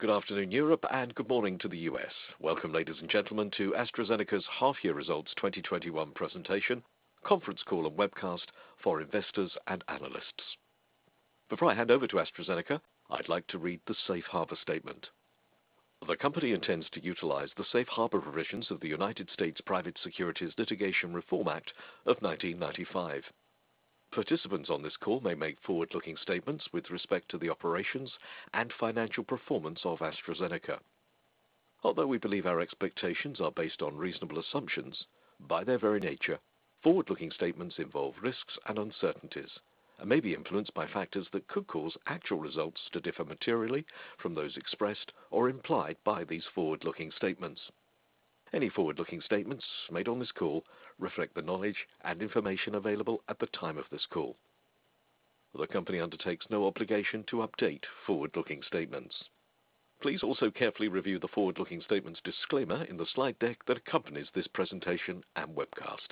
Good afternoon, Europe, and good morning to the U.S. Welcome, ladies and gentlemen, to AstraZeneca's half-year results 2021 presentation, conference call, and webcast for investors and analysts. Before I hand over to AstraZeneca, I'd like to read the Safe Harbor statement. The company intends to utilize the safe harbor provisions of the United States Private Securities Litigation Reform Act of 1995. Participants on this call may make forward-looking statements with respect to the operations and financial performance of AstraZeneca. Although we believe our expectations are based on reasonable assumptions, by their very nature, forward-looking statements involve risks and uncertainties and may be influenced by factors that could cause actual results to differ materially from those expressed or implied by these forward-looking statements. Any forward-looking statements made on this call reflect the knowledge and information available at the time of this call. The company undertakes no obligation to update forward-looking statements. Please also carefully review the forward-looking statements disclaimer in the slide deck that accompanies this presentation and webcast.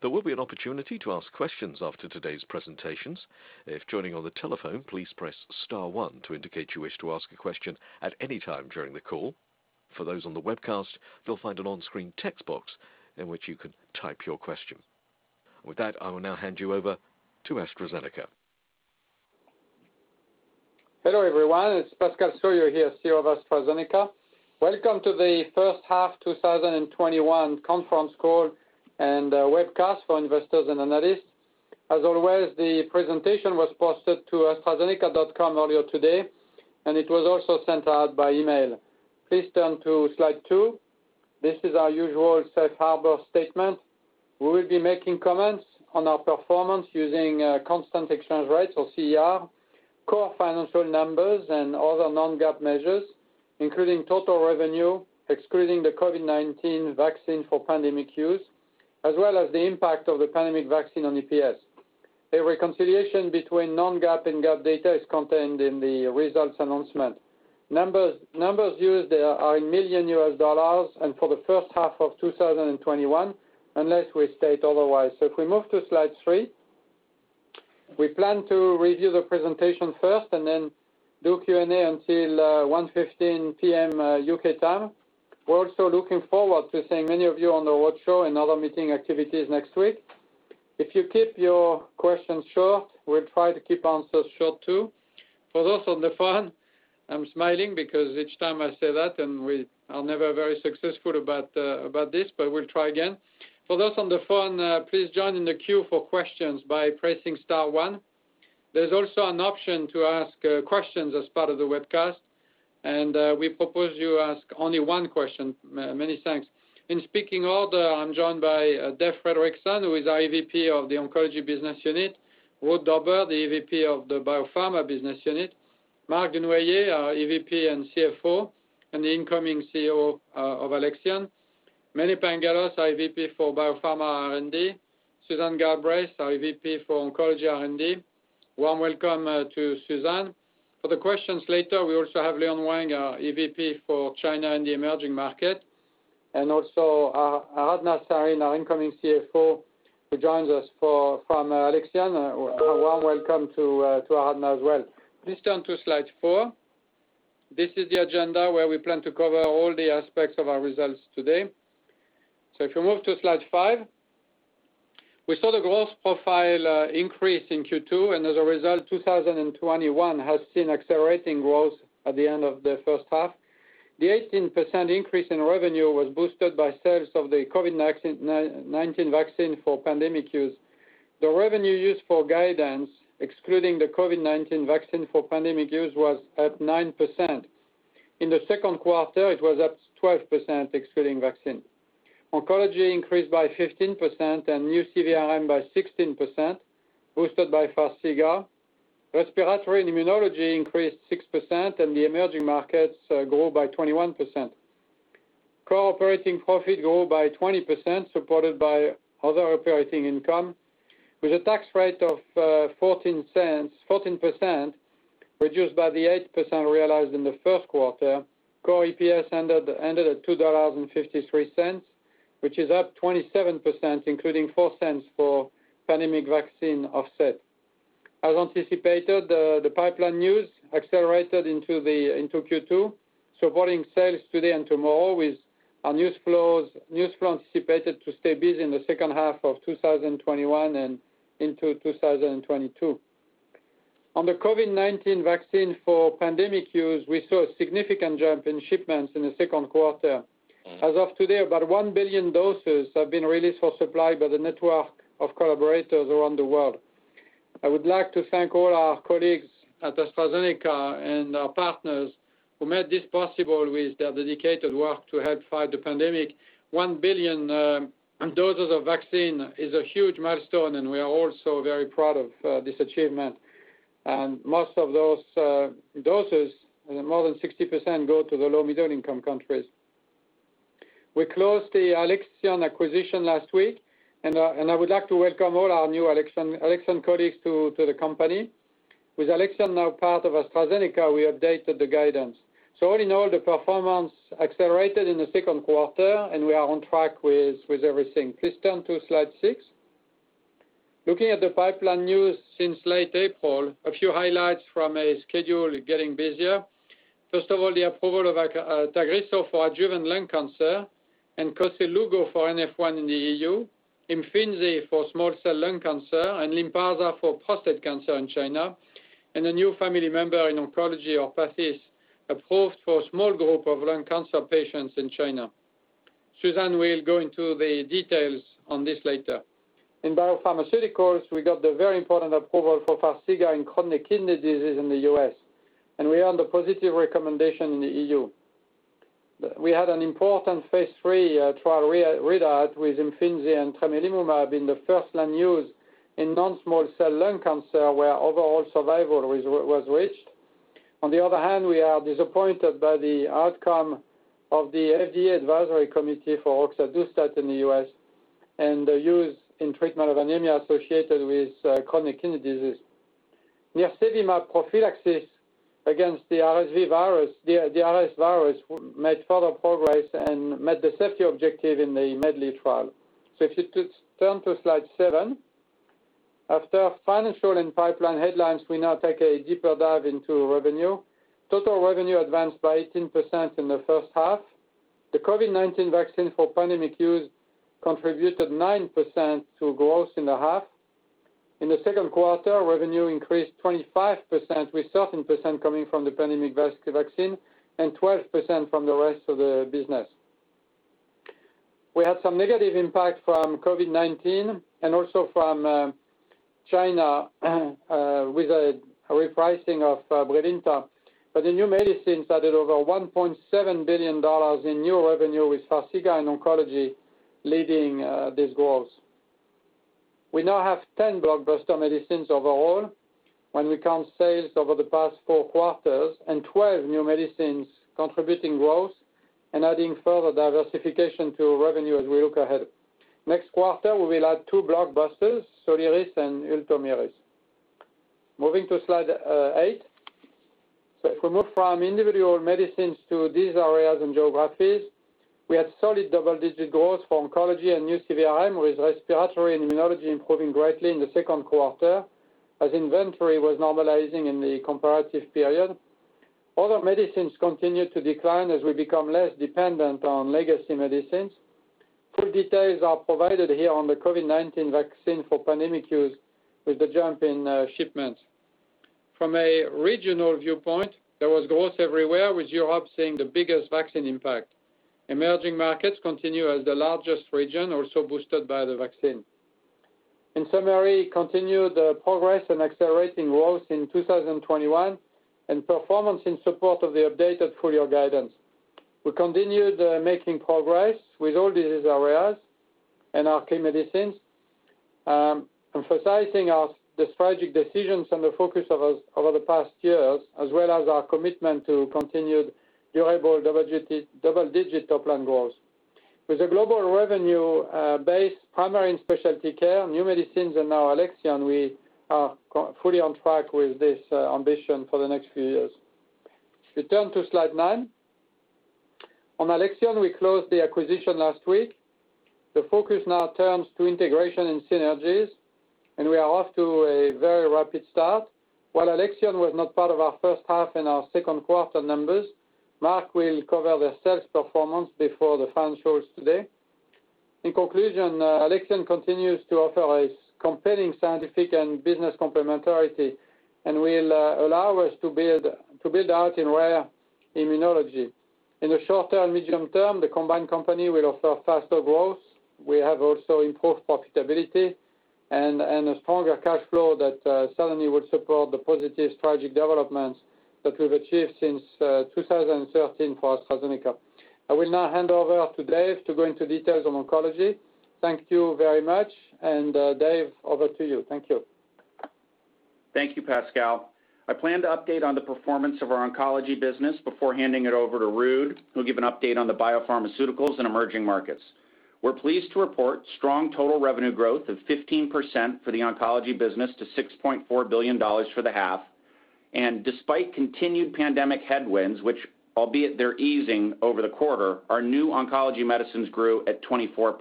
There will be an opportunity to ask questions after today's presentations. If joining on the telephone, please press star one to indicate you wish to ask a question at any time during the call. For those on the webcast, you'll find an onscreen text box in which you can type your question. With that, I will now hand you over to AstraZeneca. Hello, everyone. It's Pascal Soriot here, CEO of AstraZeneca. Welcome to the first half 2021 conference call and webcast for investors and analysts. As always, the presentation was posted to astrazeneca.com earlier today, and it was also sent out by email. Please turn to slide two. This is our usual Safe Harbor statement. We will be making comments on our performance using constant exchange rates, or CER, core financial numbers, and other non-GAAP measures, including total revenue, excluding the COVID-19 vaccine for pandemic use, as well as the impact of the pandemic vaccine on EPS. A reconciliation between non-GAAP and GAAP data is contained in the results announcement. Numbers used are in million US dollars and for the first half of 2021, unless we state otherwise. If we move to slide three, we plan to review the presentation first and then do Q&A until 1:15 P.M. U.K. time. We're also looking forward to seeing many of you on the roadshow and other meeting activities next week. If you keep your questions short, we'll try to keep answers short, too. For those on the phone, I'm smiling because each time I say that, we are never very successful about this, but we'll try again. For those on the phone, please join in the queue for questions by pressing star one. There's also an option to ask questions as part of the webcast, we propose you ask only one question. Many thanks. In speaking order, I'm joined by Dave Fredrickson, who is our EVP of the Oncology Business Unit, Ruud Dobber, the EVP of the BioPharmaceuticals Business Unit, Marc Dunoyer, our EVP and CFO, the incoming CEO of Alexion, Mene Pangalos, our EVP for BioPharmaceuticals R&D, Susan Galbraith, our EVP for Oncology R&D. Warm welcome to Susan. For the questions later, we also have Leon Wang, our EVP for China and the emerging market, and also Aradhana Sarin, our incoming CFO, who joins us from Alexion. A warm welcome to Aradhana as well. Please turn to slide four. This is the agenda where we plan to cover all the aspects of our results today. If you move to slide five, we saw the growth profile increase in Q2, and as a result, 2021 has seen accelerating growth at the end of the first half. The 18% increase in revenue was boosted by sales of the COVID-19 vaccine for pandemic use. The revenue used for guidance, excluding the COVID-19 vaccine for pandemic use, was at 9%. In the second quarter, it was up 12%, excluding vaccine. Oncology increased by 15% and new CVRM by 16%, boosted by Farxiga. Respiratory and Immunology increased 6%. The emerging markets grew by 21%. Core operating profit grew by 20%, supported by other operating income. With a tax rate of 14%, reduced by the 8% realized in the first quarter, core EPS ended at $2.53, which is up 27%, including $0.04 for pandemic vaccine offset. As anticipated, the pipeline news accelerated into Q2, supporting sales today and tomorrow, with our news flows anticipated to stay busy in the second half of 2021 and into 2022. On the COVID-19 vaccine for pandemic use, we saw a significant jump in shipments in the second quarter. As of today, about 1 billion doses have been released for supply by the network of collaborators around the world. I would like to thank all our colleagues at AstraZeneca and our partners who made this possible with their dedicated work to help fight the pandemic. 1 billion doses of vaccine is a huge milestone, and we are all so very proud of this achievement. Most of those doses, more than 60%, go to the low-middle-income countries. We closed the Alexion acquisition last week, and I would like to welcome all our new Alexion colleagues to the company. With Alexion now part of AstraZeneca, we updated the guidance. All in all, the performance accelerated in the second quarter, and we are on track with everything. Please turn to slide 6. Looking at the pipeline news since late April, a few highlights from a schedule getting busier. The approval of Tagrisso for adjuvant lung cancer and KOSELUGO for NF1 in the EU, IMFINZI for small cell lung cancer, and Lynparza for prostate cancer in China, and a new family member in oncology, Orpathys, approved for a small group of lung cancer patients in China. Susan will go into the details on this later. In biopharmaceuticals, we got the very important approval for Farxiga in chronic kidney disease in the U.S., and we earned a positive recommendation in the EU. We had an important phase III trial readout with IMFINZI and tremelimumab in the first-line use in non-small cell lung cancer, where overall survival was reached. We are disappointed by the outcome of the FDA advisory committee for roxadustat in the U.S. and the use in treatment of anemia associated with chronic kidney disease. Nirsevimab prophylaxis against the RSV, made further progress and met the safety objective in the MEDLEY trial. If you could turn to slide 7. After financial and pipeline headlines, we now take a deeper dive into revenue. Total revenue advanced by 18% in the first half. The COVID-19 vaccine for pandemic use contributed 9% to growth in the half. In the second quarter, revenue increased 25%, with 13% coming from the pandemic vaccine and 12% from the rest of the business. We had some negative impact from COVID-19 and also from China with a repricing of Brilinta. The new medicines added over $1.7 billion in new revenue, with Farxiga in oncology leading this growth. We now have 10 blockbuster medicines overall, when we count sales over the past four quarters, and 12 new medicines contributing growth and adding further diversification to revenue as we look ahead. Next quarter, we will add two blockbusters, SOLIRIS and ULTOMIRIS. Moving to slide eight. If we move from individual medicines to these areas and geographies, we had solid double-digit growth for oncology and new CVRM, with respiratory and immunology improving greatly in the second quarter, as inventory was normalizing in the comparative period. Other medicines continued to decline as we become less dependent on legacy medicines. Full details are provided here on the COVID-19 vaccine for pandemic use, with the jump in shipments. From a regional viewpoint, there was growth everywhere, with Europe seeing the biggest vaccine impact. Emerging markets continue as the largest region, also boosted by the vaccine. In summary, continued progress and accelerating growth in 2021, and performance in support of the updated full-year guidance. We continued making progress with all disease areas and our key medicines, emphasizing the strategic decisions and the focus over the past years, as well as our commitment to continued durable double-digit top-line growth. With a global revenue base, primary and specialty care, new medicines, and now Alexion, we are fully on track with this ambition for the next few years. We turn to slide nine. On Alexion, we closed the acquisition last week. The focus now turns to integration and synergies, and we are off to a very rapid start. While Alexion was not part of our first half and our second quarter numbers, Marc will cover the sales performance before the financials today. In conclusion, Alexion continues to offer a compelling scientific and business complementarity and will allow us to build out in rare immunology. In the short term, medium term, the combined company will offer faster growth. We have also improved profitability and a stronger cash flow that certainly will support the positive strategic developments that we've achieved since 2013 for AstraZeneca. I will now hand over to Dave to go into details on oncology. Thank you very much. Dave, over to you. Thank you. Thank you, Pascal. I plan to update on the performance of our oncology business before handing it over to Ruud, who'll give an update on the biopharmaceuticals and emerging markets. We're pleased to report strong total revenue growth of 15% for the oncology business to $6.4 billion for the half. Despite continued pandemic headwinds, which albeit they're easing over the quarter, our new oncology medicines grew at 24%.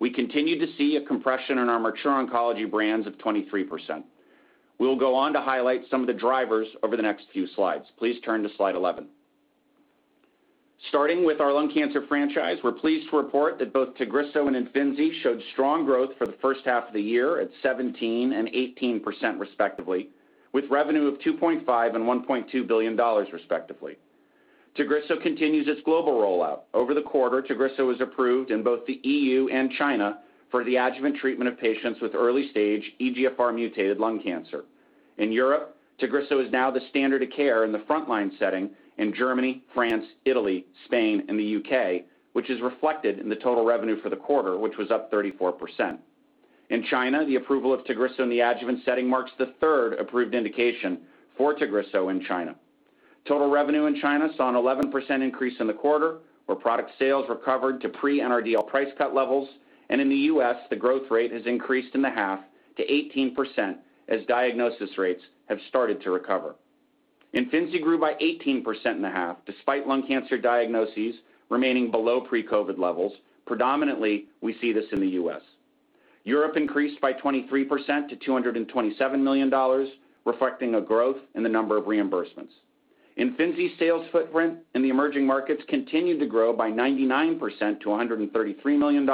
We continue to see a compression in our mature oncology brands of 23%. We'll go on to highlight some of the drivers over the next few slides. Please turn to slide 11. Starting with our lung cancer franchise, we're pleased to report that both Tagrisso and Imfinzi showed strong growth for the first half of the year at 17% and 18% respectively, with revenue of $2.5 billion and $1.2 billion respectively. Tagrisso continues its global rollout. Over the quarter, Tagrisso was approved in both the EU and China for the adjuvant treatment of patients with early-stage EGFR-mutated lung cancer. In Europe, Tagrisso is now the standard of care in the frontline setting in Germany, France, Italy, Spain, and the U.K., which is reflected in the total revenue for the quarter, which was up 34%. In China, the approval of Tagrisso in the adjuvant setting marks the third approved indication for Tagrisso in China. Total revenue in China saw an 11% increase in the quarter, where product sales recovered to pre-NRDL price cut levels. In the U.S., the growth rate has increased in the half to 18%, as diagnosis rates have started to recover. Imfinzi grew by 18% in the half despite lung cancer diagnoses remaining below pre-COVID levels. Predominantly, we see this in the U.S. Europe increased by 23% to $227 million, reflecting a growth in the number of reimbursements. Imfinzi sales footprint in the emerging markets continued to grow by 99% to $133 million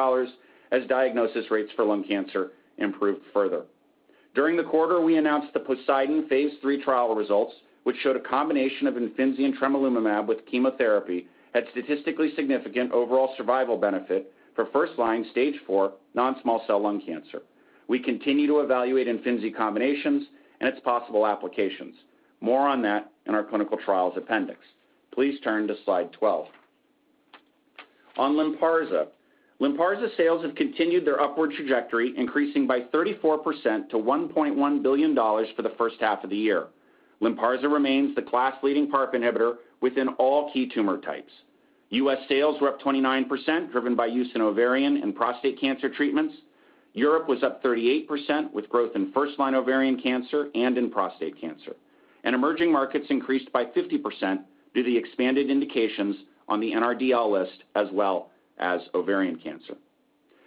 as diagnosis rates for lung cancer improved further. During the quarter, we announced the POSEIDON phase III trial results, which showed a combination of Imfinzi and tremelimumab with chemotherapy had statistically significant overall survival benefit for first-line, Stage IV non-small cell lung cancer. We continue to evaluate Imfinzi combinations and its possible applications. More on that in our clinical trials appendix. Please turn to Slide 12. On Lynparza. Lynparza sales have continued their upward trajectory, increasing by 34% to $1.1 billion for the first half of the year. Lynparza remains the class-leading PARP inhibitor within all key tumor types. U.S. sales were up 29%, driven by use in ovarian and prostate cancer treatments. Europe was up 38%, with growth in first-line ovarian cancer and in prostate cancer. Emerging markets increased by 50% due to the expanded indications on the NRDL list, as well as ovarian cancer.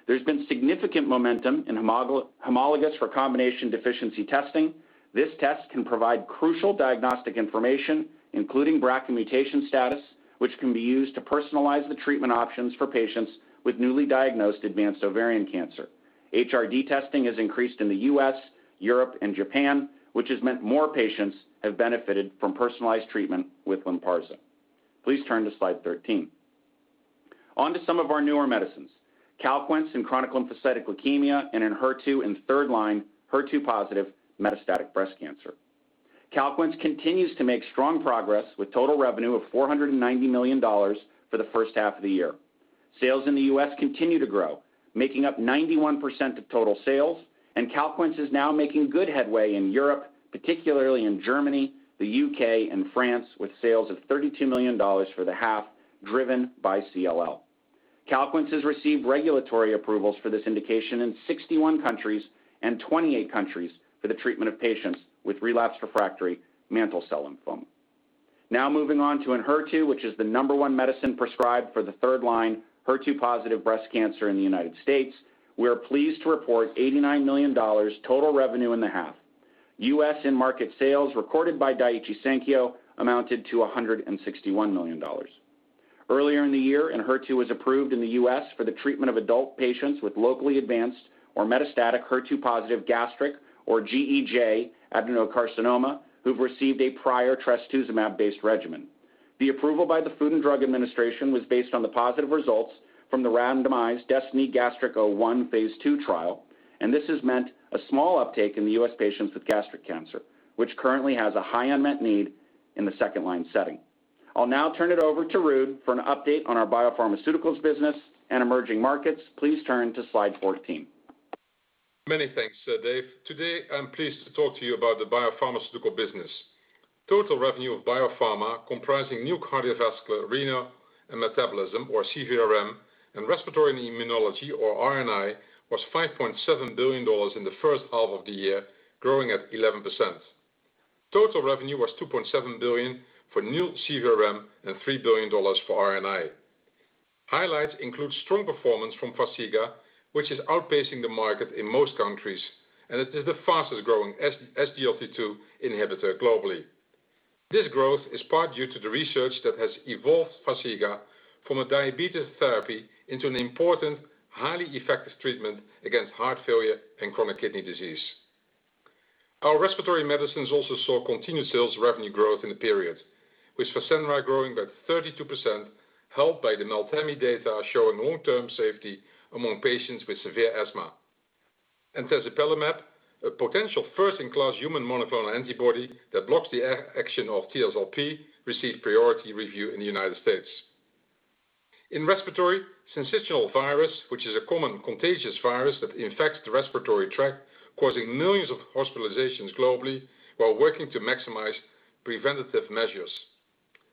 There's been significant momentum in homologous recombination deficiency testing. This test can provide crucial diagnostic information, including BRCA mutation status, which can be used to personalize the treatment options for patients with newly diagnosed advanced ovarian cancer. HRD testing has increased in the U.S., Europe, and Japan, which has meant more patients have benefited from personalized treatment with Lynparza. Please turn to Slide 13. On to some of our newer medicines, Calquence in chronic lymphocytic leukemia and Enhertu in third-line, HER2-positive metastatic breast cancer. Calquence continues to make strong progress, with total revenue of $490 million for the first half of the year. Sales in the U.S. continue to grow, making up 91% of total sales, and CALQUENCE is now making good headway in Europe, particularly in Germany, the U.K., and France, with sales of $32 million for the half, driven by CLL. CALQUENCE has received regulatory approvals for this indication in 61 countries and 28 countries for the treatment of patients with relapsed/refractory mantle cell lymphoma. Now moving on to ENHERTU, which is the number 1 medicine prescribed for third-line HER2-positive breast cancer in the United States. We are pleased to report $89 million total revenue in the half. U.S. in-market sales recorded by Daiichi Sankyo amounted to $161 million. Earlier in the year, ENHERTU was approved in the U.S. for the treatment of adult patients with locally advanced or metastatic HER2-positive gastric or GEJ adenocarcinoma who've received a prior trastuzumab-based regimen. The approval by the Food and Drug Administration was based on the positive results from the randomized DESTINY-Gastric01 phase II trial. This has meant a small uptake in the U.S. patients with gastric cancer, which currently has a high unmet need in the second-line setting. I'll now turn it over to Ruud for an update on our BioPharmaceuticals business and emerging markets. Please turn to Slide 14. Many thanks, Dave. Today, I'm pleased to talk to you about the biopharmaceutical business. Total revenue of biopharma, comprising new cardiovascular, renal, and metabolism, or CVRM, and respiratory and immunology, or RNI, was $5.7 billion in the first half of the year, growing at 11%. Total revenue was $2.7 billion for new CVRM and $3 billion for RNI. Highlights include strong performance from Farxiga, which is outpacing the market in most countries and it is the fastest-growing SGLT2 inhibitor globally. This growth is part due to the research that has evolved Farxiga from a diabetes therapy into an important, highly effective treatment against heart failure and chronic kidney disease. Our respiratory medicines also saw continued sales revenue growth in the period, with Fasenra growing by 32%, helped by the MELTEMI data showing long-term safety among patients with severe asthma. Tezepelumab, a potential first-in-class human monoclonal antibody that blocks the action of TSLP, received priority review in the U.S. In respiratory syncytial virus, which is a common contagious virus that infects the respiratory tract, causing millions of hospitalizations globally, we're working to maximize preventative measures.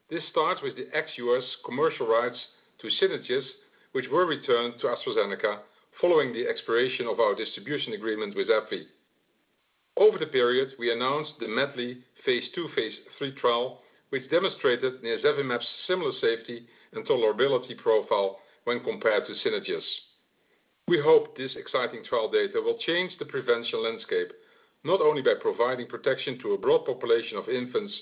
This starts with the ex-U.S. commercial rights to Synagis, which were returned to AstraZeneca following the expiration of our distribution agreement with AbbVie. Over the period, we announced the MEDLEY phase II/III trial, which demonstrated nirsevimab's similar safety and tolerability profile when compared to Synagis. We hope this exciting trial data will change the prevention landscape, not only by providing protection to a broad population of infants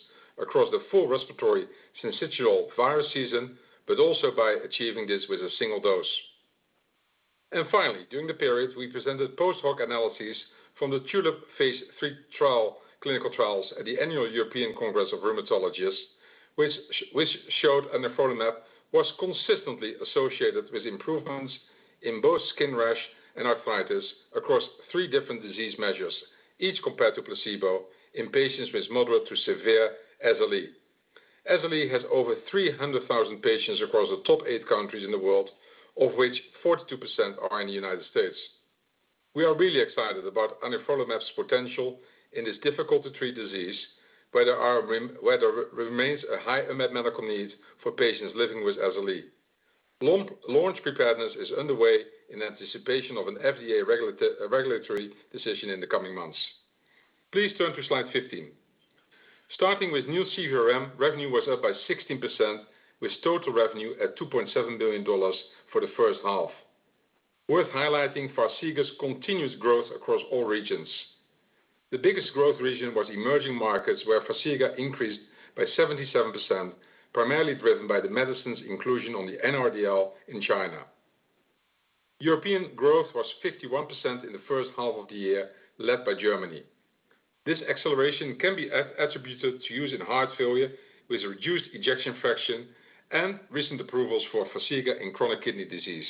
across the full respiratory syncytial virus season, but also by achieving this with a single dose. Finally, during the period, we presented post-hoc analyses from the TULIP phase III clinical trials at the annual European Congress of Rheumatologists, which showed anifrolumab was consistently associated with improvements in both skin rash and arthritis across three different disease measures, each compared to placebo in patients with moderate to severe SLE. SLE has over 300,000 patients across the top eight countries in the world, of which 42% are in the United States. We are really excited about anifrolumab's potential in this difficult-to-treat disease, where there remains a high unmet medical need for patients living with SLE. Launch preparedness is underway in anticipation of an FDA regulatory decision in the coming months. Please turn to slide 15. Starting with new CVRM, revenue was up by 16%, with total revenue at $2.7 billion for the first half. Worth highlighting Farxiga's continuous growth across all regions. The biggest growth region was emerging markets, where Farxiga increased by 77%, primarily driven by the medicine's inclusion on the NRDL in China. European growth was 51% in the first half of the year, led by Germany. This acceleration can be attributed to use in heart failure with reduced ejection fraction and recent approvals for Farxiga in chronic kidney disease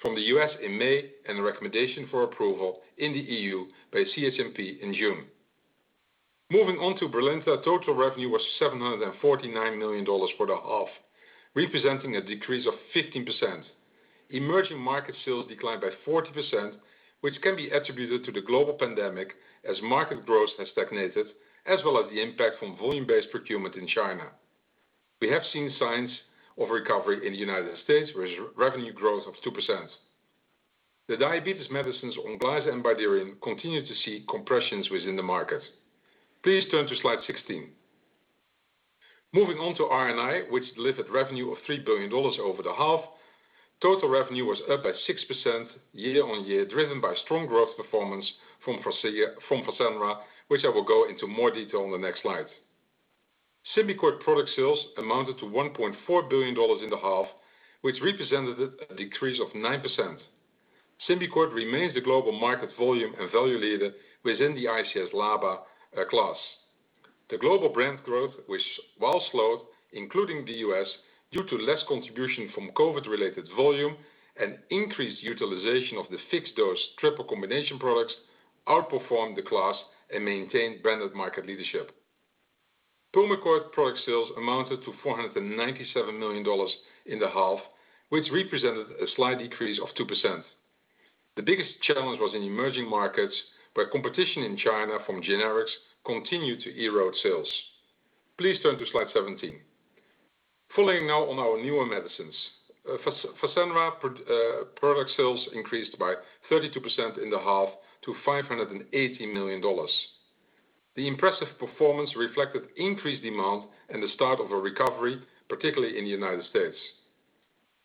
from the U.S. in May, and the recommendation for approval in the EU by CHMP in June. Moving on to Brilinta. Total revenue was $749 million for the half, representing a decrease of 15%. Emerging market sales declined by 40%, which can be attributed to the global pandemic, as market growth has stagnated, as well as the impact from volume-based procurement in China. We have seen signs of recovery in the United States, with revenue growth of 2%. The diabetes medicines ONGLYZA and Bydureon continue to see compressions within the market. Please turn to slide 16. Moving on to RNI, which delivered revenue of GBP 3 billion over the half. Total revenue was up by 6% year-on-year, driven by strong growth performance from Fasenra, which I will go into more detail on the next slide. SYMBICORT product sales amounted to GBP 1.4 billion in the half, which represented a decrease of 9%. SYMBICORT remains the global market volume and value leader within the ICS LABA class. The global brand growth, while slowed, including the U.S., due to less contribution from COVID-related volume and increased utilization of the fixed-dose triple combination products, outperformed the class and maintained branded market leadership. PULMICORT product sales amounted to GBP 497 million in the half, which represented a slight decrease of 2%. The biggest challenge was in emerging markets, where competition in China from generics continued to erode sales. Please turn to slide 17. Focusing now on our newer medicines. Fasenra product sales increased by 32% in the half to $580 million. The impressive performance reflected increased demand and the start of a recovery, particularly in the United States.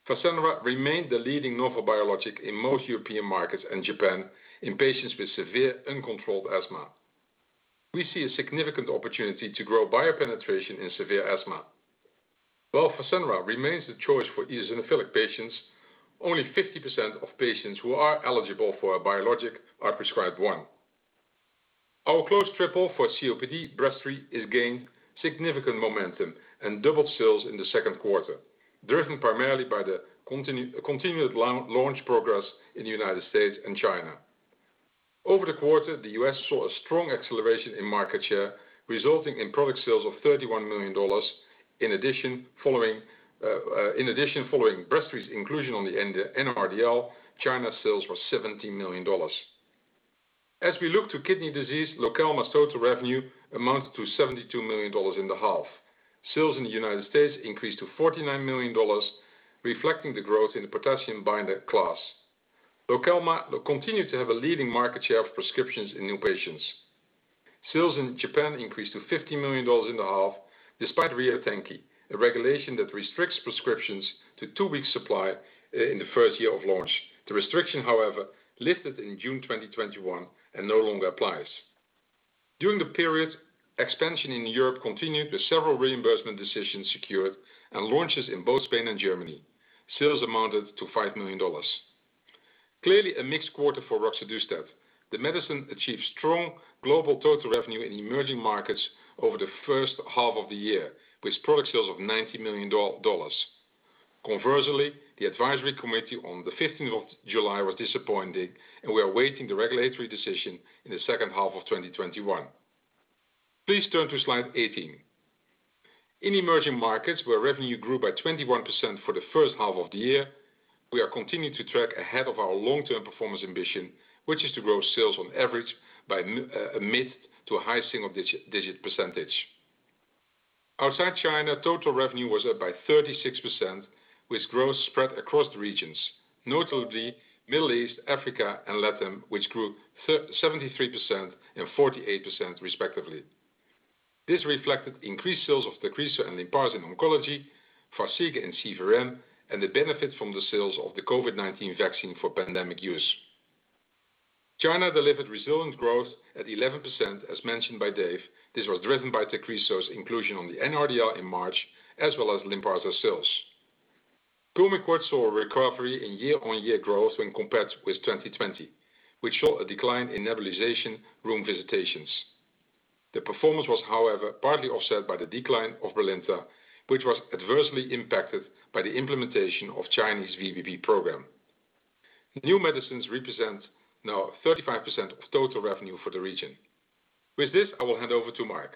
Fasenra remained the leading novel biologic in most European markets and Japan in patients with severe uncontrolled asthma. We see a significant opportunity to grow biopenetration in severe asthma. While Fasenra remains the choice for eosinophilic patients, only 50% of patients who are eligible for a biologic are prescribed one. Our close triple for COPD, Breztri, has gained significant momentum and doubled sales in the second quarter, driven primarily by the continued launch progress in the United States and China. Over the quarter, the U.S. saw a strong acceleration in market share, resulting in product sales of $31 million. Following BREZTRI's inclusion on the NRDL, China sales were $17 million. As we look to kidney disease, Lokelma's total revenue amounted to $72 million in the half. Sales in the United States. increased to $49 million, reflecting the growth in the potassium binder class. Lokelma continued to have a leading market share of prescriptions in new patients. Sales in Japan increased to $15 million in the half, despite Ryotanki, a regulation that restricts prescriptions to two weeks' supply in the first year of launch. The restriction, however, lifted in June 2021 and no longer applies. During the period, expansion in Europe continued with several reimbursement decisions secured and launches in both Spain and Germany. Sales amounted to $5 million. Clearly, a mixed quarter for roxadustat. The medicine achieved strong global total revenue in emerging markets over the first half of the year, with product sales of $90 million. Conversely, the advisory committee on the 15th of July was disappointing, and we are awaiting the regulatory decision in the second half of 2021. Please turn to slide 18. In emerging markets, where revenue grew by 21% for the first half of the year, we are continuing to track ahead of our long-term performance ambition, which is to grow sales on average by a mid to a high single-digit percentage. Outside China, total revenue was up by 36%, with growth spread across the regions, notably Middle East, Africa, and LATAM, which grew 73% and 48% respectively. This reflected increased sales of Tagrisso and Lynparza in oncology, Farxiga in CVRM, and the benefit from the sales of the COVID-19 vaccine for pandemic use. China delivered resilient growth at 11%, as mentioned by Dave. This was driven by Tagrisso's inclusion on the NRDL in March, as well as Lynparza sales. Pulmicort saw a recovery in year-on-year growth when compared with 2020, which saw a decline in nebulization room visitations. The performance was, however, partly offset by the decline of Brilinta, which was adversely impacted by the implementation of Chinese VBP program. New medicines represent now 35% of total revenue for the region. With this, I will hand over to Marc.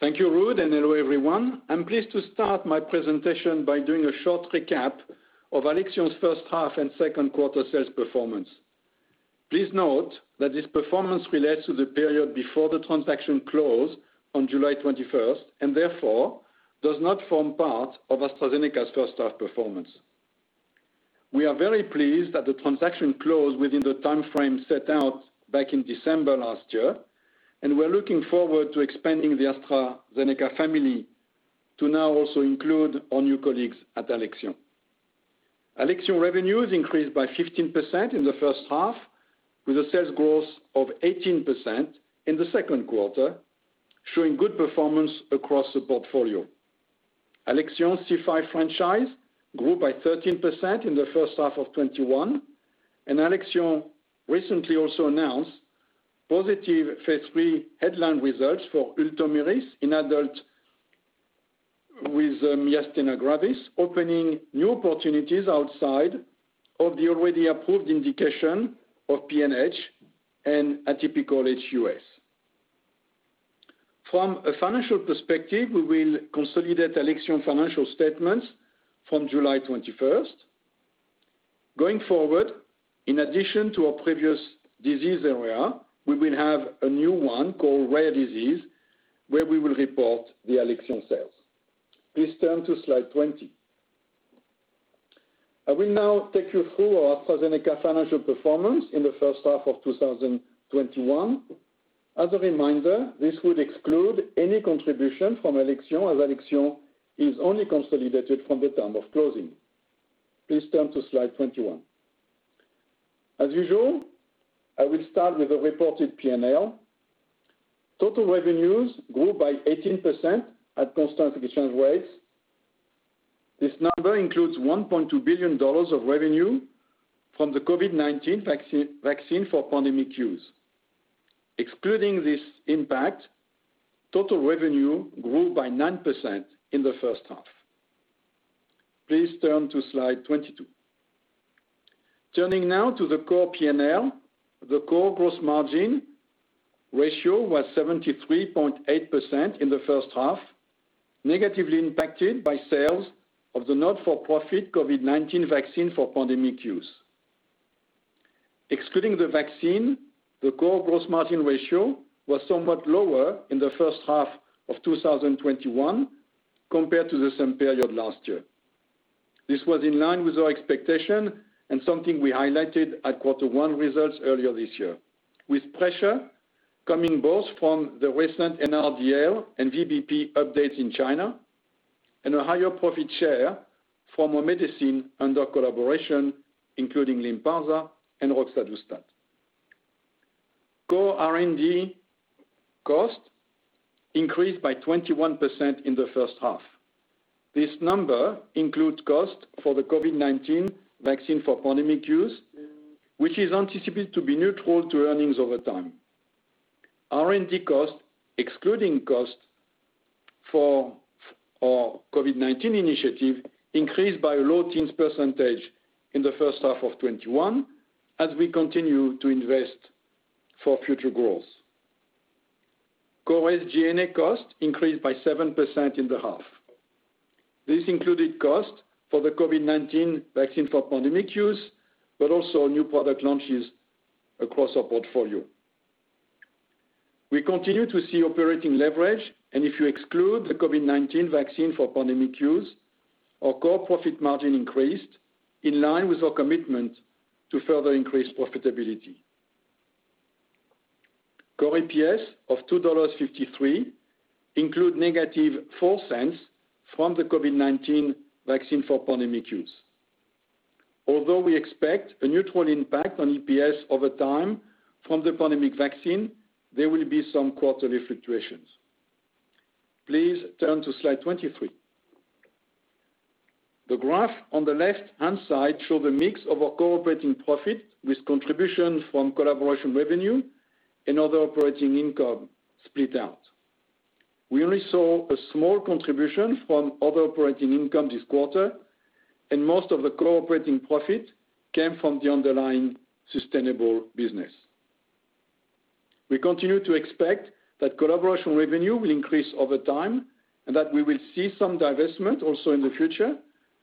Thank you, Ruud, and hello, everyone. I'm pleased to start my presentation by doing a short recap of Alexion's first half and second quarter sales performance. Please note that this performance relates to the period before the transaction close on July 21st, and therefore does not form part of AstraZeneca's first half performance. We are very pleased that the transaction closed within the timeframe set out back in December last year, and we are looking forward to expanding the AstraZeneca family to now also include our new colleagues at Alexion. Alexion revenues increased by 15% in the first half, with a sales growth of 18% in the second quarter, showing good performance across the portfolio. Alexion's C5 franchise grew by 13% in the first half of 2021. Alexion recently also announced positive phase III headline results for ULTOMIRIS in adult with myasthenia gravis, opening new opportunities outside of the already approved indication of PNH and a typical HUS. From a financial perspective, we will consolidate Alexion financial statements from July 21st. Going forward, in addition to our previous disease area, we will have a new one called rare disease, where we will report the Alexion sales. Please turn to slide 20. I will now take you through our AstraZeneca financial performance in the first half of 2021. As a reminder, this would exclude any contribution from Alexion, as Alexion is only consolidated from the time of closing. Please turn to slide 21. As usual, I will start with the reported P&L. Total revenues grew by 18% at constant exchange rates. This number includes $1.2 billion of revenue from the COVID-19 vaccine for pandemic use. Excluding this impact, total revenue grew by 9% in the first half. Please turn to slide 22. Turning now to the core P&L, the core gross margin ratio was 73.8% in the first half, negatively impacted by sales of the not-for-profit COVID-19 vaccine for pandemic use. Excluding the vaccine, the core gross margin ratio was somewhat lower in the first half of 2021 compared to the same period last year. This was in line with our expectation and something we highlighted at quarter one results earlier this year, with pressure coming both from the recent NRDL and VBP updates in China and a higher profit share for more medicine under collaboration, including Lynparza and roxadustat. Core R&D cost increased by 21% in the first half. This number includes cost for the COVID-19 vaccine for pandemic use, which is anticipated to be neutral to earnings over time. R&D cost, excluding cost for our COVID-19 initiative, increased by a low teens percentage in the first half of 2021 as we continue to invest for future growth. Core SG&A cost increased by 7% in the half. This included cost for the COVID-19 vaccine for pandemic use, but also new product launches across our portfolio. We continue to see operating leverage, and if you exclude the COVID-19 vaccine for pandemic use, our core profit margin increased in line with our commitment to further increase profitability. Core EPS of $2.53 include negative $0.04 from the COVID-19 vaccine for pandemic use. Although we expect a neutral impact on EPS over time from the pandemic vaccine, there will be some quarterly fluctuations. Please turn to slide 23. The graph on the left-hand side shows the mix of our core operating profit with contribution from collaboration revenue and other operating income split out. We only saw a small contribution from other operating income this quarter, and most of the core operating profit came from the underlying sustainable business. We continue to expect that collaboration revenue will increase over time and that we will see some divestment also in the future,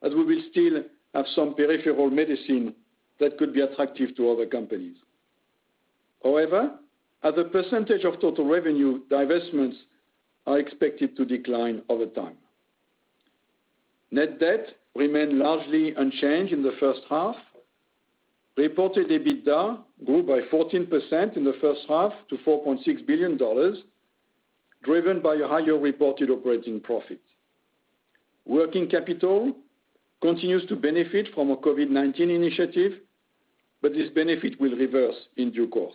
as we will still have some peripheral medicine that could be attractive to other companies. However, as a percentage of total revenue, divestments are expected to decline over time. Net debt remained largely unchanged in the first half. Reported EBITDA grew by 14% in the first half to $4.6 billion, driven by higher reported operating profit. Working capital continues to benefit from our COVID-19 initiative. This benefit will reverse in due course.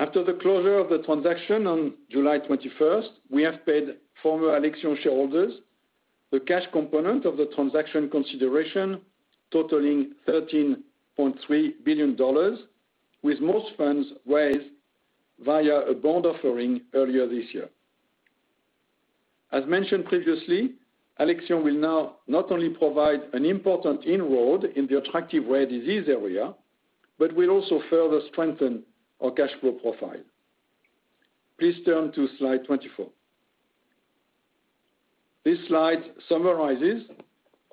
After the closure of the transaction on July 21st, we have paid former Alexion shareholders the cash component of the transaction consideration totaling $13.3 billion, with most funds raised via a bond offering earlier this year. As mentioned previously, Alexion will now not only provide an important inroad in the attractive rare disease area, but will also further strengthen our cash flow profile. Please turn to slide 24. This slide summarizes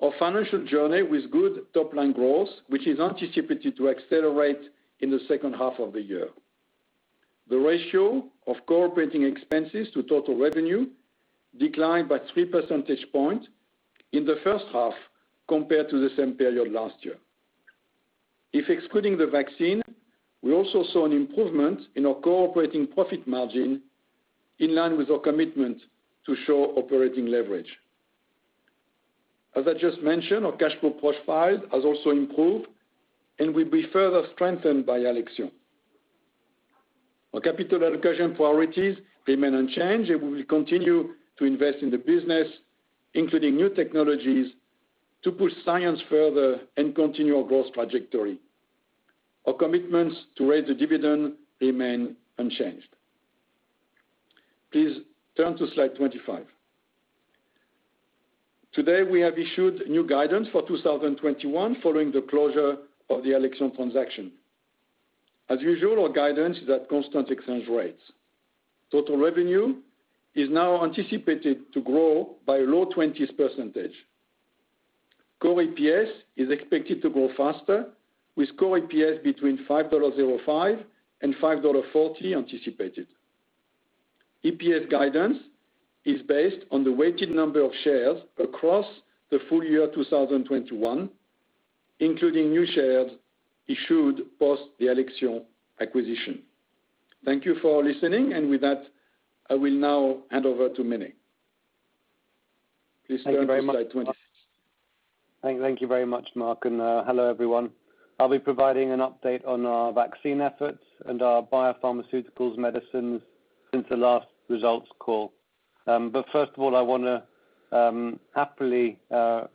our financial journey with good top-line growth, which is anticipated to accelerate in the second half of the year. The ratio of core operating expenses to total revenue declined by 3% this point in the first half compared to the same period last year. If excluding the vaccine, we also saw an improvement in our core operating profit margin in line with our commitment to show operating leverage. As I just mentioned, our cash flow profile has also improved and will be further strengthened by Alexion. Our capital allocation priorities remain unchanged, and we will continue to invest in the business, including new technologies, to push science further and continue our growth trajectory. Our commitments to raise the dividend remain unchanged. Please turn to slide 25. Today, we have issued new guidance for 2021 following the closure of the Alexion transaction. As usual, our guidance is at constant exchange rates. Total revenue is now anticipated to grow by low 20s%. Core EPS is expected to grow faster with core EPS between $5.05 and $5.40 anticipated. EPS guidance is based on the weighted number of shares across the full year 2021, including new shares issued post the Alexion acquisition. Thank you for listening, and with that, I will now hand over to Mene. Please turn to slide 26. Thank you very much, Marc, and hello, everyone. I'll be providing an update on our vaccine efforts and our biopharmaceuticals medicines since the last results call. First of all, I want to happily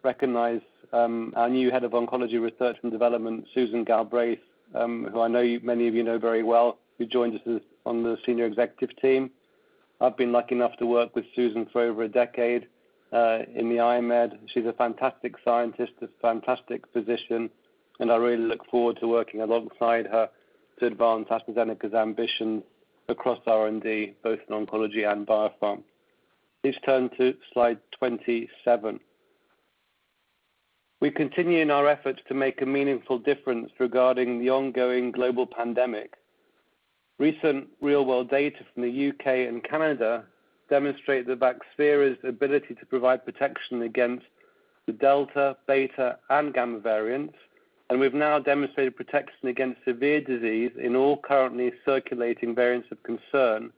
recognize our new Head of Oncology Research and Development, Susan Galbraith, who I know many of you know very well, who joined us on the senior executive team. I've been lucky enough to work with Susan for over a decade, in the iMed. She's a fantastic scientist, a fantastic physician, and I really look forward to working alongside her to advance AstraZeneca's ambition across R&D, both in oncology and biopharm. Please turn to slide 27. We continue in our efforts to make a meaningful difference regarding the ongoing global pandemic. Recent real-world data from the U.K. and Canada demonstrate that Vaxzevria's ability to provide protection against the Delta, Beta, and Gamma variants, and we've now demonstrated protection against severe disease in all currently circulating variants of concern.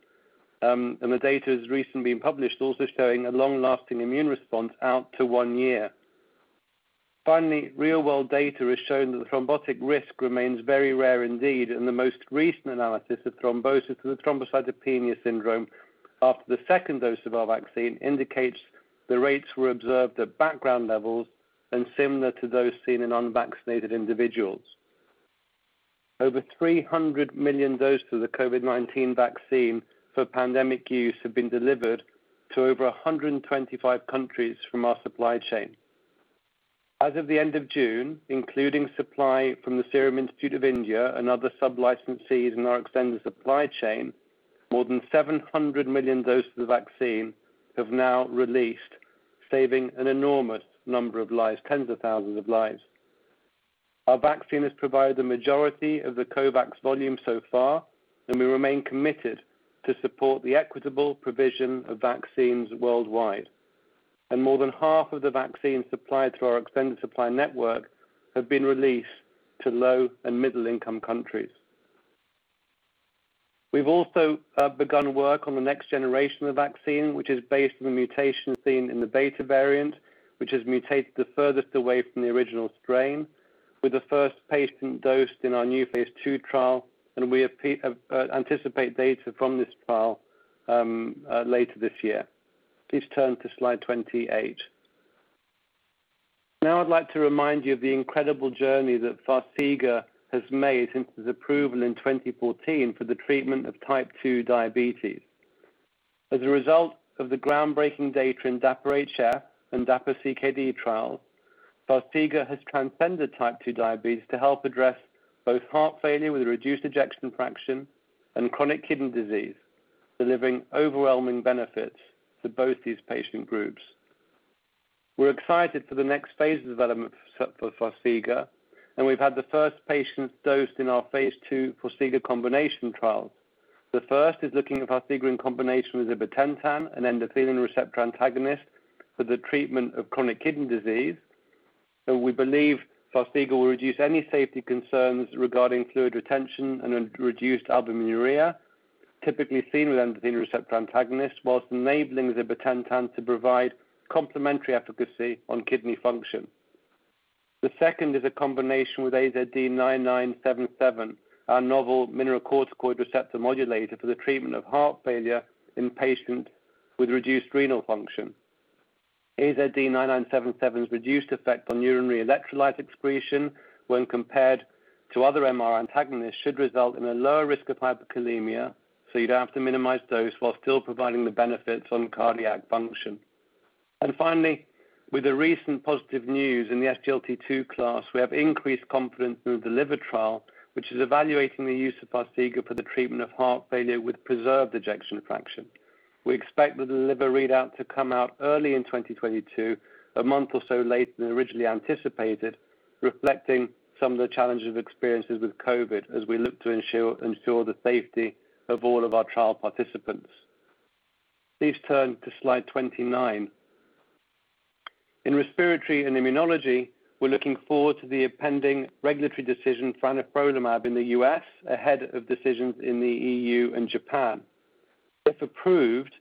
The data has recently been published, also showing a long-lasting immune response out to one year. Finally, real-world data has shown that the thrombotic risk remains very rare indeed, and the most recent analysis of thrombosis and the thrombocytopenia syndrome after the second dose of our vaccine indicates the rates were observed at background levels and similar to those seen in unvaccinated individuals. Over 300 million doses of the COVID-19 vaccine for pandemic use have been delivered to over 125 countries from our supply chain. As of the end of June, including supply from the Serum Institute of India and other sub-licensees in our extended supply chain, more than 700 million doses of the vaccine have now released, saving an enormous number of lives, tens of thousands of lives. Our vaccine has provided the majority of the Covax volume so far, and we remain committed to support the equitable provision of vaccines worldwide. More than half of the vaccines supplied through our extended supply network have been released to low and middle-income countries. We've also begun work on the next generation of vaccine, which is based on the mutation seen in the Beta variant, which has mutated the furthest away from the original strain, with the first patient dosed in our new phase II trial, and we anticipate data from this trial later this year. Please turn to slide 28. I'd like to remind you of the incredible journey that Farxiga has made since its approval in 2014 for the treatment of Type 2 diabetes. As a result of the groundbreaking data in DAPA-HF and DAPA-CKD trials, Farxiga has transcended Type 2 diabetes to help address both heart failure with reduced ejection fraction and chronic kidney disease, delivering overwhelming benefits to both these patient groups. We're excited for the next phase of development for Farxiga, and we've had the first patients dosed in our phase II Farxiga combination trials. The first is looking at Farxiga in combination with zibotentan, an endothelin receptor antagonist for the treatment of chronic kidney disease. We believe Farxiga will reduce any safety concerns regarding fluid retention and reduced albuminuria, typically seen with endothelin receptor antagonists, while enabling zibotentan to provide complementary efficacy on kidney function. The second is a combination with AZD9977, our novel mineralocorticoid receptor modulator for the treatment of heart failure in patients with reduced renal function. AZD9977's reduced effect on urinary electrolyte excretion when compared to other MR antagonists should result in a lower risk of hyperkalemia, so you don't have to minimize dose while still providing the benefits on cardiac function. Finally, with the recent positive news in the SGLT2 class, we have increased confidence in the DELIVER trial, which is evaluating the use of Farxiga for the treatment of heart failure with preserved ejection fraction. We expect the DELIVER readout to come out early in 2022, a month or so later than originally anticipated, reflecting some of the challenges experiences with COVID as we look to ensure the safety of all of our trial participants. Please turn to slide 29. In respiratory and immunology, we're looking forward to the impending regulatory decision for anifrolumab in the U.S. ahead of decisions in the EU and Japan. If approved,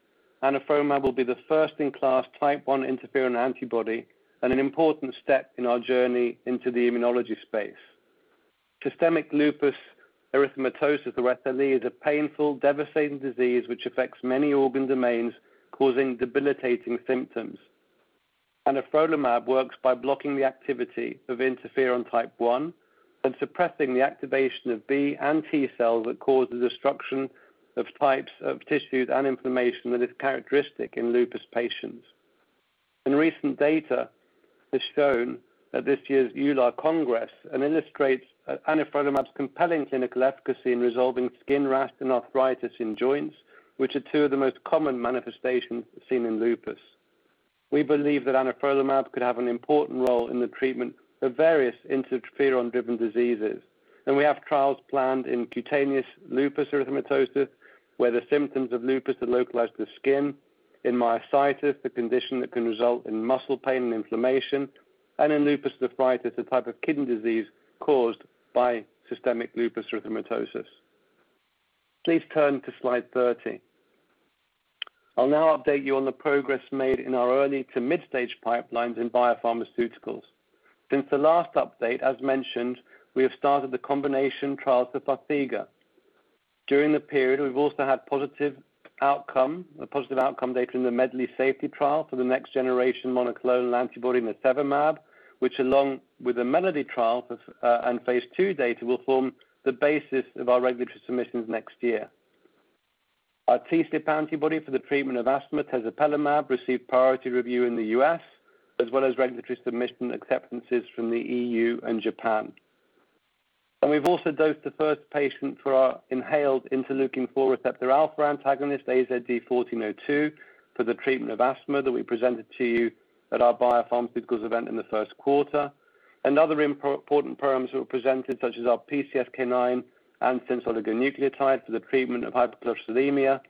anifrolumab will be the first-in-class type 1 interferon antibody and an important step in our journey into the immunology space. Systemic lupus erythematosus, or SLE, is a painful, devastating disease which affects many organ domains, causing debilitating symptoms. Anifrolumab works by blocking the activity of interferon Type 1 and suppressing the activation of B and T cells that cause the destruction of types of tissues and inflammation that is characteristic in lupus patients. Recent data has shown at this year's EULAR Congress and illustrates anifrolumab's compelling clinical efficacy in resolving skin rash and arthritis in joints, which are two of the most common manifestations seen in lupus. We believe that anifrolumab could have an important role in the treatment of various interferon-driven diseases, and we have trials planned in cutaneous lupus erythematosus, where the symptoms of lupus are localized to the skin, in myositis, a condition that can result in muscle pain and inflammation, and in lupus nephritis, a type of kidney disease caused by systemic lupus erythematosus. Please turn to slide 30. I'll now update you on the progress made in our early to mid-stage pipelines in biopharmaceuticals. Since the last update, as mentioned, we have started the combination trials for Farxiga. During the period, we've also had positive outcome data in the MEDLEY safety trial for the next generation monoclonal antibody, nirsevimab, which, along with the MELODY trial and phase II data, will form the basis of our regulatory submissions next year. Our TSLP antibody for the treatment of asthma, tezepelumab, received priority review in the U.S. as well as regulatory submission acceptances from the EU and Japan. We've also dosed the first patient for our inhaled interleukin-4 receptor alpha antagonist, AZD1402, for the treatment of asthma that we presented to you at our biopharmaceuticals event in the first quarter. Other important programs that were presented, such as our PCSK9 antisense oligonucleotide for the treatment of hypercholesterolemia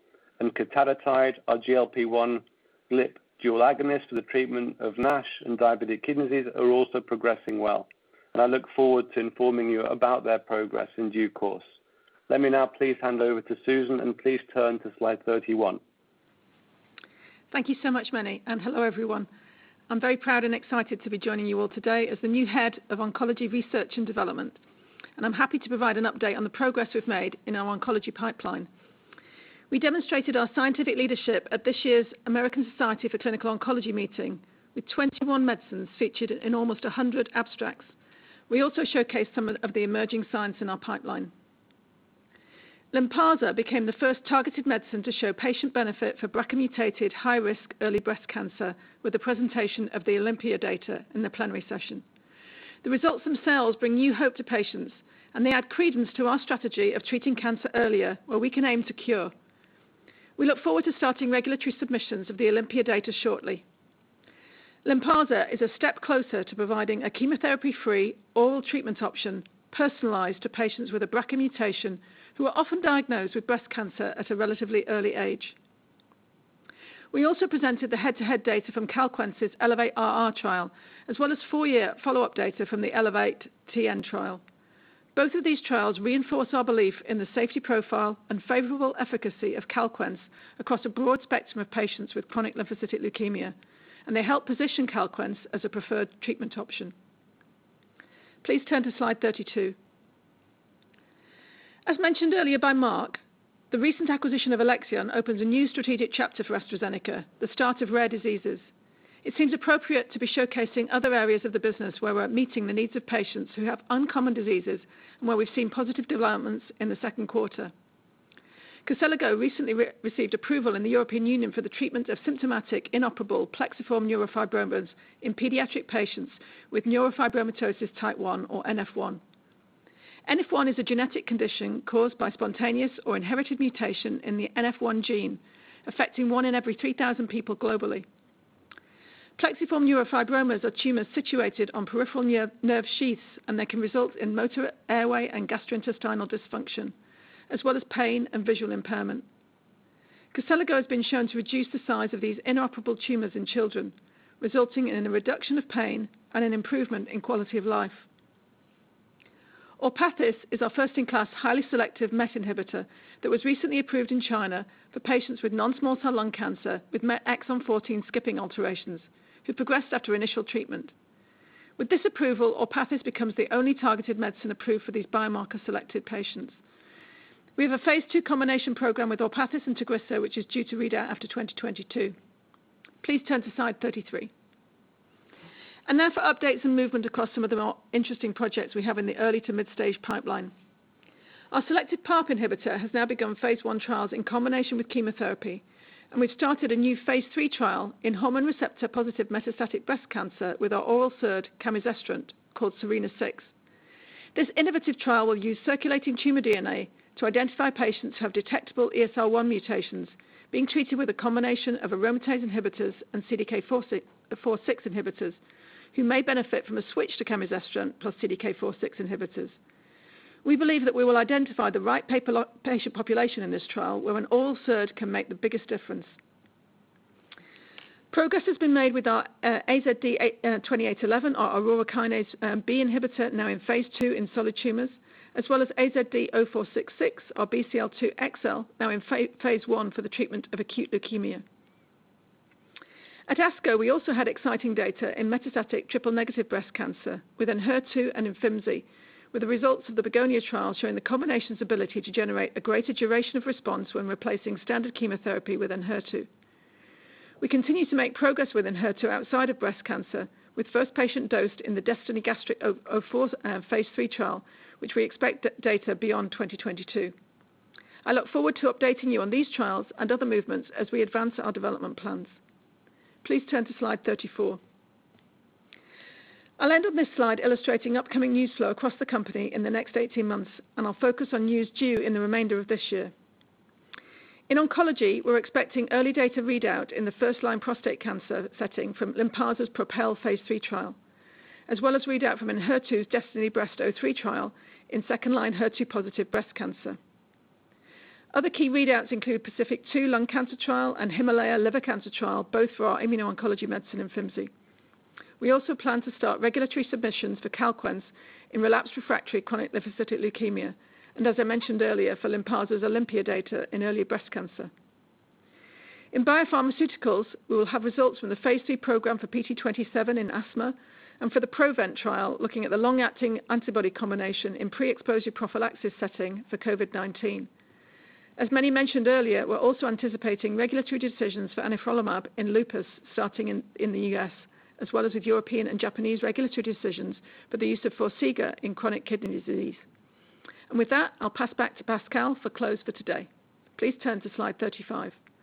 and cotadutide, our GLP-1 lip dual agonist for the treatment of NASH and diabetic kidney disease, are also progressing well. I look forward to informing you about their progress in due course. Let me now please hand over to Susan, and please turn to slide 31. Thank you so much, Mene, and hello, everyone. I'm very proud and excited to be joining you all today as the new head of oncology research and development, and I'm happy to provide an update on the progress we've made in our oncology pipeline. We demonstrated our scientific leadership at this year's American Society of Clinical Oncology meeting, with 21 medicines featured in almost 100 abstracts. We also showcased some of the emerging science in our pipeline. Lynparza became the first targeted medicine to show patient benefit for BRCA-mutated high-risk early breast cancer with the presentation of the OlympiA data in the plenary session. The results themselves bring new hope to patients, and they add credence to our strategy of treating cancer earlier, where we can aim to cure. We look forward to starting regulatory submissions of the OlympiA data shortly. Lynparza is a step closer to providing a chemotherapy-free oral treatment option personalized to patients with a BRCA mutation who are often diagnosed with breast cancer at a relatively early age. We also presented the head-to-head data from Calquence's ELEVATE-RR trial, as well as four-year follow-up data from the ELEVATE-TN trial. Both of these trials reinforce our belief in the safety profile and favorable efficacy of Calquence across a broad spectrum of patients with chronic lymphocytic leukemia. They help position Calquence as a preferred treatment option. Please turn to slide 32. As mentioned earlier by Marc, the recent acquisition of Alexion opens a new strategic chapter for AstraZeneca, the start of rare diseases. It seems appropriate to be showcasing other areas of the business where we're meeting the needs of patients who have uncommon diseases and where we've seen positive developments in the second quarter. KOSELUGO recently received approval in the European Union for the treatment of symptomatic inoperable plexiform neurofibromas in pediatric patients with neurofibromatosis Type 1 or NF1. NF1 is a genetic condition caused by spontaneous or inherited mutation in the NF1 gene, affecting one in every 3,000 people globally. Plexiform neurofibromas are tumors situated on peripheral nerve sheaths, and they can result in motor, airway, and gastrointestinal dysfunction, as well as pain and visual impairment. KOSELUGO has been shown to reduce the size of these inoperable tumors in children, resulting in a reduction of pain and an improvement in quality of life. Orpathys is our first in class, highly selective MET inhibitor that was recently approved in China for patients with non-small cell lung cancer with exon 14 skipping alterations who progressed after initial treatment. With this approval, Orpathys becomes the only targeted medicine approved for these biomarker selected patients. We have a phase II combination program with Orpathys and Tagrisso, which is due to read out after 2022. Please turn to slide 33. Now for updates and movement across some of the more interesting projects we have in the early to mid-stage pipeline. Our selected PARP inhibitor has now begun phase I trials in combination with chemotherapy, and we've started a new phase III trial in hormone receptor positive metastatic breast cancer with our oral SERD, camizestrant, called SERENA-6. This innovative trial will use circulating tumor DNA to identify patients who have detectable ESR1 mutations, being treated with a combination of aromatase inhibitors and CDK4/6 inhibitors, who may benefit from a switch to camizestrant plus CDK4/6 inhibitors. We believe that we will identify the right patient population in this trial, where an oral SERD can make the biggest difference. Progress has been made with our AZD2811, our Aurora B kinase inhibitor, now in phase II in solid tumors, as well as AZD0466, our BCL-2/xL, now in phase I for the treatment of acute leukemia. At ASCO, we also had exciting data in metastatic triple-negative breast cancer with Enhertu and Imfinzi, with the results of the BEGONIA trial showing the combination's ability to generate a greater duration of response when replacing standard chemotherapy with Enhertu. We continue to make progress with Enhertu outside of breast cancer, with first patient dosed in the DESTINY-Gastric04, phase III trial, which we expect data beyond 2022. I look forward to updating you on these trials and other movements as we advance our development plans. Please turn to slide 34. I'll end on this slide illustrating upcoming news flow across the company in the next 18 months, and I'll focus on news due in the remainder of this year. In oncology, we're expecting early data readout in the first-line prostate cancer setting from Lynparza's PROPEL phase III trial, as well as readout from Enhertu's DESTINY-Breast03 trial in second-line HER2-positive breast cancer. Other key readouts include PACIFIC-2 lung cancer trial and HIMALAYA liver cancer trial, both for our immuno-oncology medicine, Imfinzi. We also plan to start regulatory submissions for CALQUENCE in relapsed refractory chronic lymphocytic leukemia. As I mentioned earlier, for Lynparza's OlympiA data in early breast cancer. In biopharmaceuticals, we will have results from the phase III program for PT027 in asthma, and for the PROVENT trial, looking at the long-acting antibody combination in pre-exposure prophylaxis setting for COVID-19. As many mentioned earlier, we're also anticipating regulatory decisions for anifrolumab in lupus starting in the U.S., as well as with European and Japanese regulatory decisions for the use of Farxiga in chronic kidney disease. With that, I'll pass back to Pascal for close for today. Please turn to slide 35. Thank you,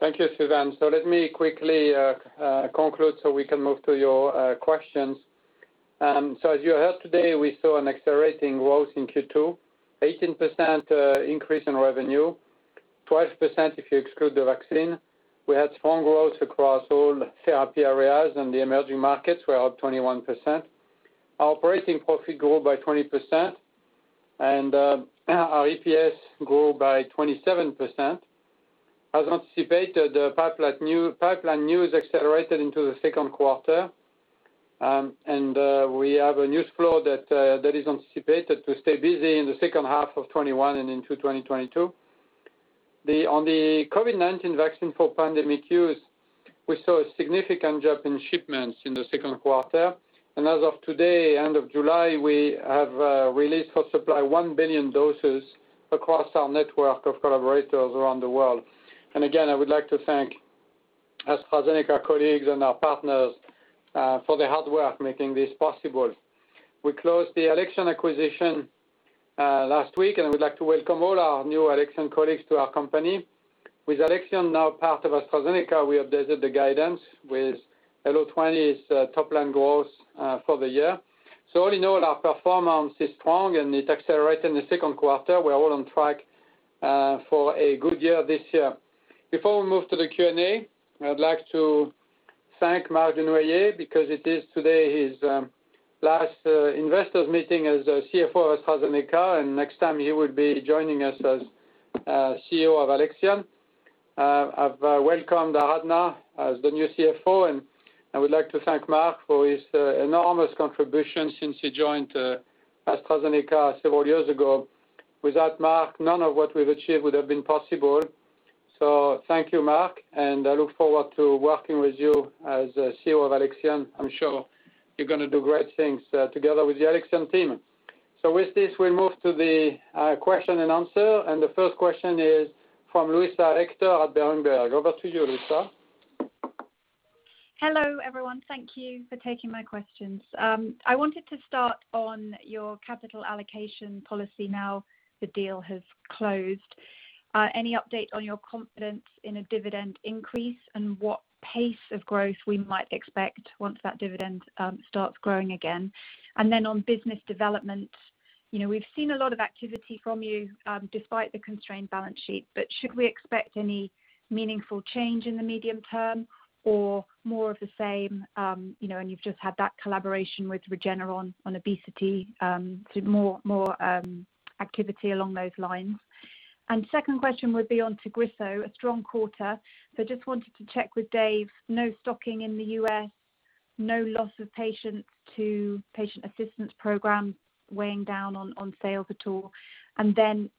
Susan. Let me quickly conclude so we can move to your questions. As you heard today, we saw an accelerating growth in Q2, 18% increase in revenue, 12% if you exclude the vaccine. We had strong growth across all therapy areas, the emerging markets were up 21%. Our operating profit grew by 20%, our EPS grew by 27%. As anticipated, the pipeline news accelerated into the second quarter. We have a news flow that is anticipated to stay busy in the second half of 2021 and into 2022. On the COVID-19 vaccine for pandemic use, we saw a significant jump in shipments in the second quarter. As of today, end of July, we have released or supplied 1 billion doses across our network of collaborators around the world. Again, I would like to thank AstraZeneca colleagues and our partners for their hard work making this possible. We closed the Alexion acquisition last week. We'd like to welcome all our new Alexion colleagues to our company. With Alexion now part of AstraZeneca, we updated the guidance with LO20's top line growth for the year. All in all, our performance is strong, and it accelerated in the second quarter. We are all on track for a good year this year. Before we move to the Q&A, I'd like to thank Marc Dunoyer because it is today his last investors meeting as CFO of AstraZeneca. Next time he will be joining us as CEO of Alexion. I've welcomed Aradhana Sarin as the new CFO. I would like to thank Marc for his enormous contribution since he joined AstraZeneca several years ago. Without Marc, none of what we've achieved would have been possible. Thank you, Marc, and I look forward to working with you as CEO of Alexion. I'm sure you're going to do great things together with the Alexion team. With this, we'll move to the question and answer, and the first question is from Luisa Hector at Berenberg. Over to you, Luisa. Hello, everyone. Thank you for taking my questions. I wanted to start on your capital allocation policy now the deal has closed. Any update on your confidence in a dividend increase and what pace of growth we might expect once that dividend starts growing again? On business development, we've seen a lot of activity from you despite the constrained balance sheet, but should we expect any meaningful change in the medium term or more of the same, and you've just had that collaboration with Regeneron on obesity, so more activity along those lines? Second question would be on Tagrisso, a strong quarter. Just wanted to check with Dave, no stocking in the U.S., no loss of patients to patient assistance program weighing down on sales at all?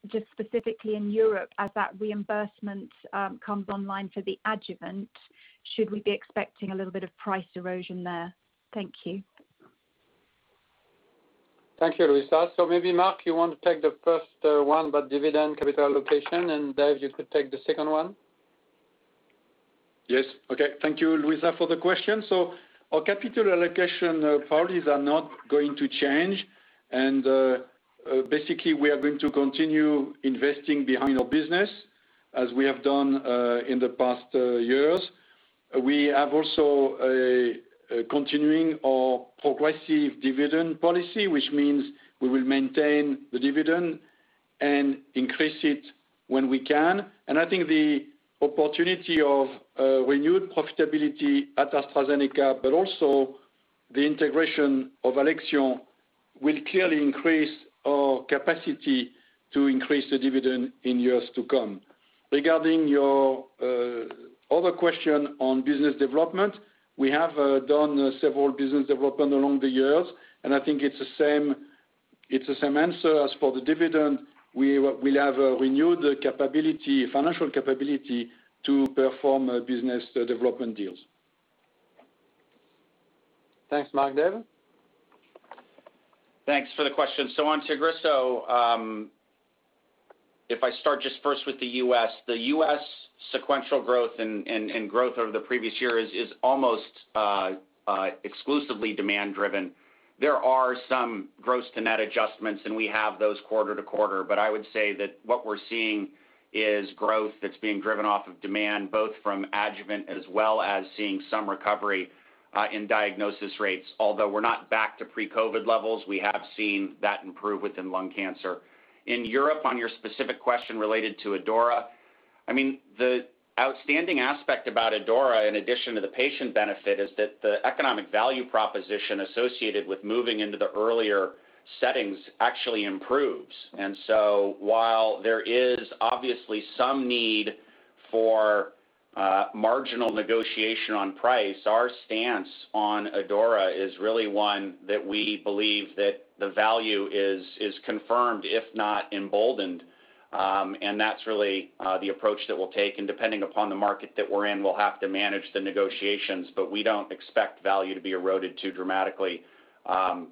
Just specifically in Europe, as that reimbursement comes online for the adjuvant, should we be expecting a little bit of price erosion there? Thank you. Thank you, Luisa. Maybe, Marc, you want to take the first one about dividend capital allocation, and Dave, you could take the second one? Yes. Okay. Thank you, Luisa, for the question. Our capital allocation priorities are not going to change, and basically, we are going to continue investing behind our business as we have done in the past years. We have also a continuing or progressive dividend policy, which means we will maintain the dividend and increase it when we can. I think the opportunity of renewed profitability at AstraZeneca, but also the integration of Alexion, will clearly increase our capacity to increase the dividend in years to come. Regarding your other question on business development, we have done several business development along the years, and I think it's the same answer as for the dividend. We will have a renewed financial capability to perform business development deals. Thanks, Marc. Dave? Thanks for the question. On Tagrisso, if I start just first with the U.S., the U.S. sequential growth and growth over the previous year is almost exclusively demand-driven. There are some gross to net adjustments, and we have those quarter-to-quarter, but I would say that what we're seeing is growth that's being driven off of demand, both from adjuvant as well as seeing some recovery in diagnosis rates. Although we're not back to pre-COVID levels, we have seen that improve within lung cancer. In Europe, on your specific question related to ADAURA, the outstanding aspect about ADAURA, in addition to the patient benefit, is that the economic value proposition associated with moving into the earlier settings actually improves. While there is obviously some need for marginal negotiation on price, our stance on ADAURA is really one that we believe that the value is confirmed, if not emboldened. That's really the approach that we'll take, and depending upon the market that we're in, we'll have to manage the negotiations. We don't expect value to be eroded too dramatically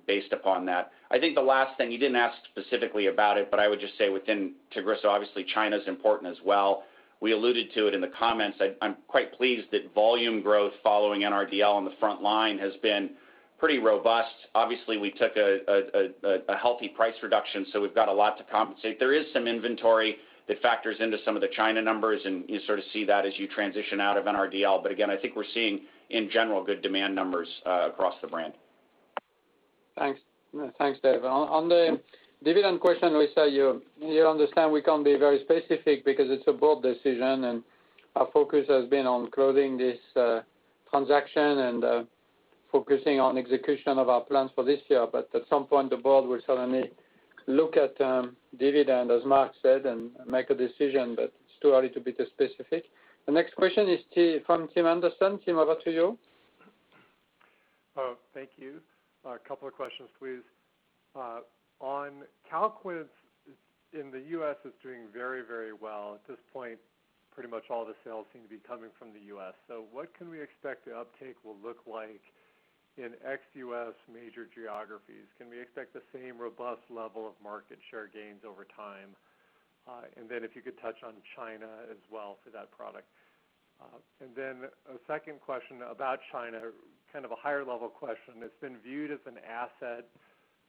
based upon that. I think the last thing, you didn't ask specifically about it, but I would just say within Tagrisso, obviously China's important as well. We alluded to it in the comments. I'm quite pleased that volume growth following NRDL on the front line has been pretty robust. Obviously, we took a healthy price reduction, so we've got a lot to compensate. There is some inventory that factors into some of the China numbers, and you sort of see that as you transition out of NRDL. Again, I think we're seeing, in general, good demand numbers across the brand. Thanks. Thanks, Dave. On the dividend question, Luisa, you understand we can't be very specific because it's a board decision, and our focus has been on closing this transaction and focusing on execution of our plans for this year. At some point, the board will certainly look at dividend, as Marc said, and make a decision, but it's too early to be too specific. The next question is from Tim Anderson. Tim, over to you. Thank you. A couple of questions, please. On Calquence, in the U.S., it's doing very well. At this point, pretty much all the sales seem to be coming from the U.S. What can we expect the uptake will look like in ex-U.S. major geographies? Can we expect the same robust level of market share gains over time? If you could touch on China as well for that product. A second question about China, kind of a higher-level question. It's been viewed as an asset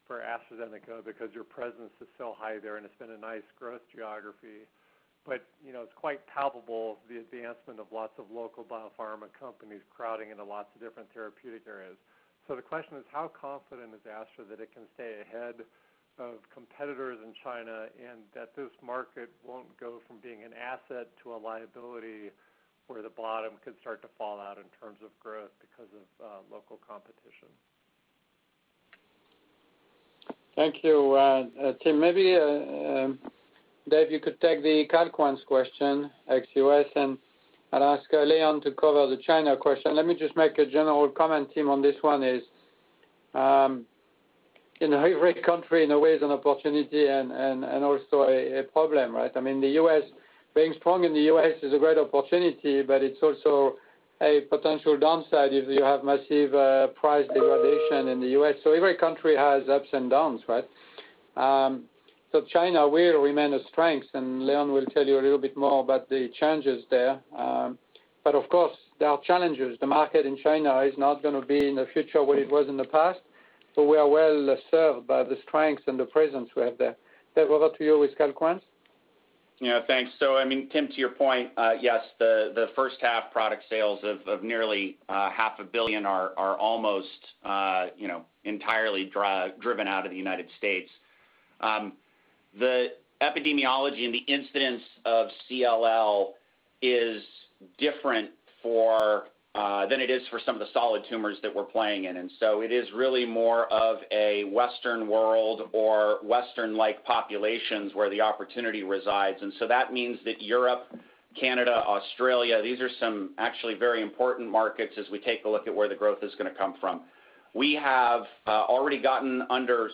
for AstraZeneca because your presence is so high there, and it's been a nice growth geography. It's quite palpable, the advancement of lots of local biopharma companies crowding into lots of different therapeutic areas. The question is, how confident is Astra that it can stay ahead of competitors in China, and that this market won't go from being an asset to a liability where the bottom could start to fall out in terms of growth because of local competition? Thank you, Tim. Maybe, Dave, you could take the CALQUENCE question, ex-U.S., and I'll ask Leon to cover the China question. Let me just make a general comment, Tim, on this one is, every country in a way is an opportunity and also a problem, right? Being strong in the U.S. is a great opportunity, but it's also a potential downside if you have massive price degradation in the U.S. Every country has ups and downs, right? China will remain a strength, and Leon will tell you a little bit more about the changes there. Of course, there are challenges. The market in China is not going to be in the future what it was in the past. We are well-served by the strengths and the presence we have there. Dave, over to you with CALQUENCE. Thanks. Tim, to your point, yes, the first half product sales of nearly half a billion dollars are almost entirely driven out of the United States. The epidemiology and the incidence of CLL is different than it is for some of the solid tumors that we're playing in. It is really more of a Western world or Western-like populations where the opportunity resides. That means that Europe, Canada, Australia, these are some actually very important markets as we take a look at where the growth is going to come from. We have already gotten under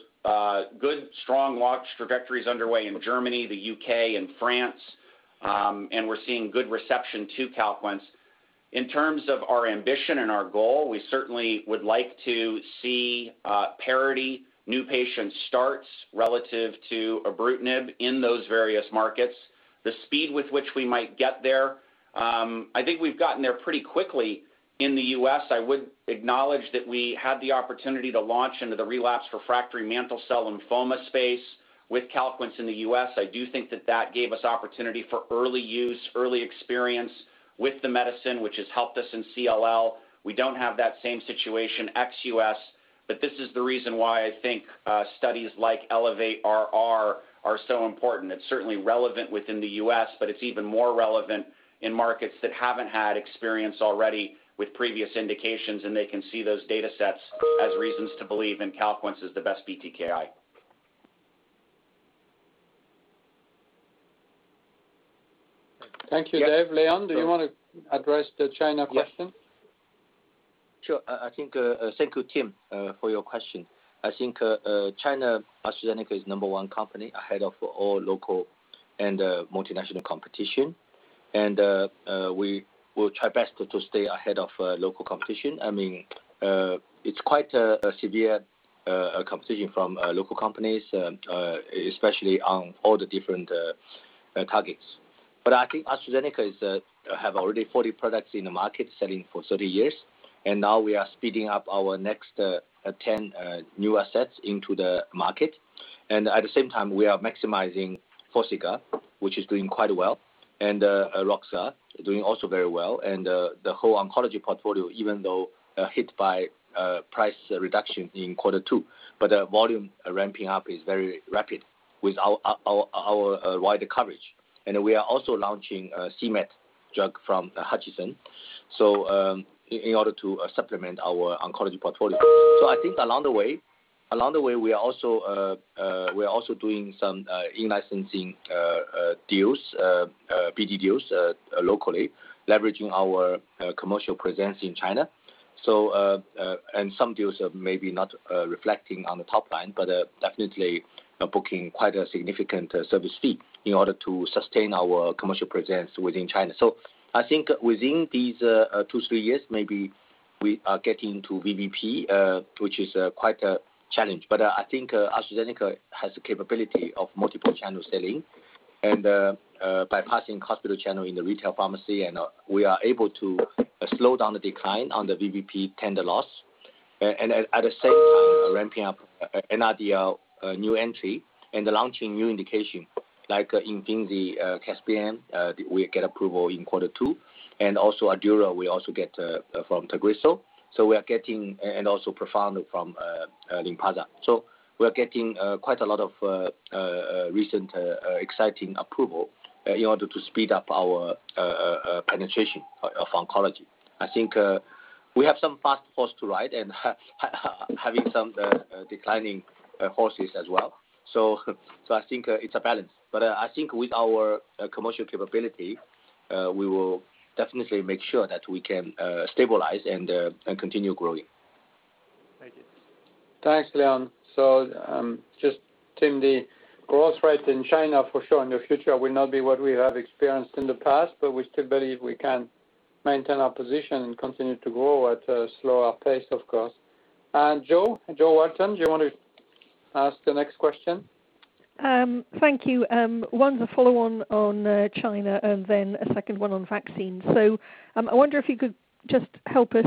good, strong launch trajectories underway in Germany, the U.K., and France. We're seeing good reception to CALQUENCE. In terms of our ambition and our goal, we certainly would like to see parity new patient starts relative to ibrutinib in those various markets. The speed with which we might get there, I think we've gotten there pretty quickly in the U.S. I would acknowledge that we had the opportunity to launch into the relapsed refractory mantle cell lymphoma space with CALQUENCE in the U.S. I do think that that gave us opportunity for early use, early experience with the medicine, which has helped us in CLL. We don't have that same situation ex-U.S., but this is the reason why I think studies like ELEVATE-RR are so important. It's certainly relevant within the U.S., but it's even more relevant in markets that haven't had experience already with previous indications, and they can see those data sets as reasons to believe in CALQUENCE as the best BTKI. Thank you, Dave. Leon, do you want to address the China question? Sure. Thank you, Tim, for your question. I think China, AstraZeneca is number one company ahead of all local and multinational competition, and we will try best to stay ahead of local competition. It's quite a severe competition from local companies, especially on all the different targets. I think AstraZeneca has already 40 products in the market, selling for 30 years, and now we are speeding up our next 10 new assets into the market. At the same time, we are maximizing Farxiga, which is doing quite well, and roxadustat is doing also very well, and the whole oncology portfolio, even though hit by price reduction in quarter two. The volume ramping up is very rapid with our wider coverage. We are also launching savolitinib drug from HUTCHMED in order to supplement our oncology portfolio. I think along the way, we are also doing some in-licensing deals, BD deals locally, leveraging our commercial presence in China. Some deals are maybe not reflecting on the top line, but definitely are booking quite a significant service fee in order to sustain our commercial presence within China. I think within these two, three years, maybe we are getting to VBP, which is quite a challenge. I think AstraZeneca has the capability of multiple channel selling and bypassing hospital channel in the retail pharmacy, and we are able to slow down the decline on the VBP tender loss. At the same time, ramping up an NRDL new entry and launching new indication, like in the CASPIAN, we get approval in quarter two. Also ADAURA, we also get from Tagrisso, and also PROfound from Lynparza. We are getting quite a lot of recent exciting approval in order to speed up our penetration of oncology. I think we have some fast horse to ride and having some declining horses as well. I think it's a balance. I think with our commercial capability, we will definitely make sure that we can stabilize and continue growing. Thank you. Thanks, Leon. Just, Tim, the growth rate in China, for sure, in the future will not be what we have experienced in the past, but we still believe we can maintain our position and continue to grow at a slower pace, of course. Jo Walton, do you want to ask the next question? Thank you. One to follow on China and then a second one on vaccines. I wonder if you could just help us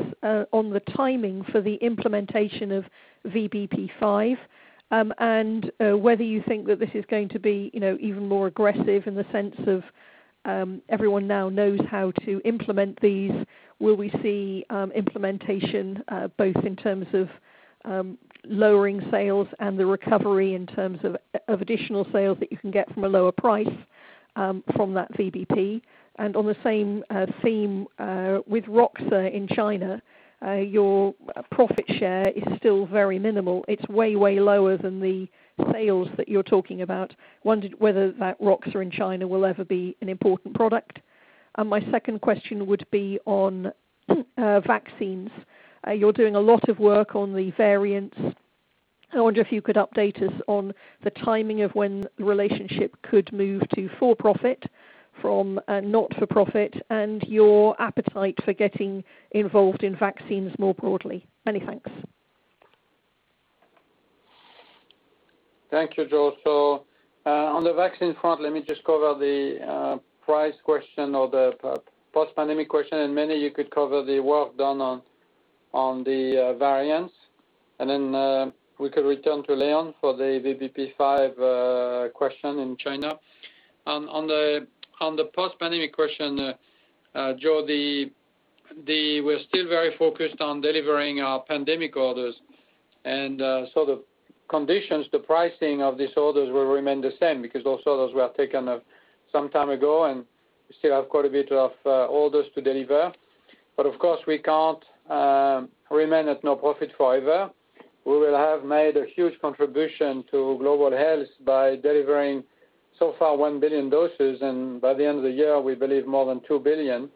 on the timing for the implementation of VBP 5, and whether you think that this is going to be even more aggressive in the sense of everyone now knows how to implement these. Will we see implementation both in terms of lowering sales and the recovery in terms of additional sales that you can get from a lower price from that VBP? On the same theme, with roxadustat in China, your profit share is still very minimal. It's way lower than the sales that you're talking about. Wondered whether that roxadustat in China will ever be an important product. My second question would be on vaccines. You're doing a lot of work on the variants. I wonder if you could update us on the timing of when the relationship could move to for-profit from not-for-profit and your appetite for getting involved in vaccines more broadly. Many thanks. Thank you, Jo. On the vaccine front, let me just cover the price question or the post-pandemic question. Mene, you could cover the work done on the variants. Then we could return to Leon for the VBP 5 question in China. On the post-pandemic question, Jo, we're still very focused on delivering our pandemic orders. The conditions, the pricing of these orders will remain the same because those orders were taken some time ago, and we still have quite a bit of orders to deliver. Of course, we can't remain at no profit forever. We will have made a huge contribution to global health by delivering, so far, 1 billion doses. By the end of the year, we believe more than 2 billion.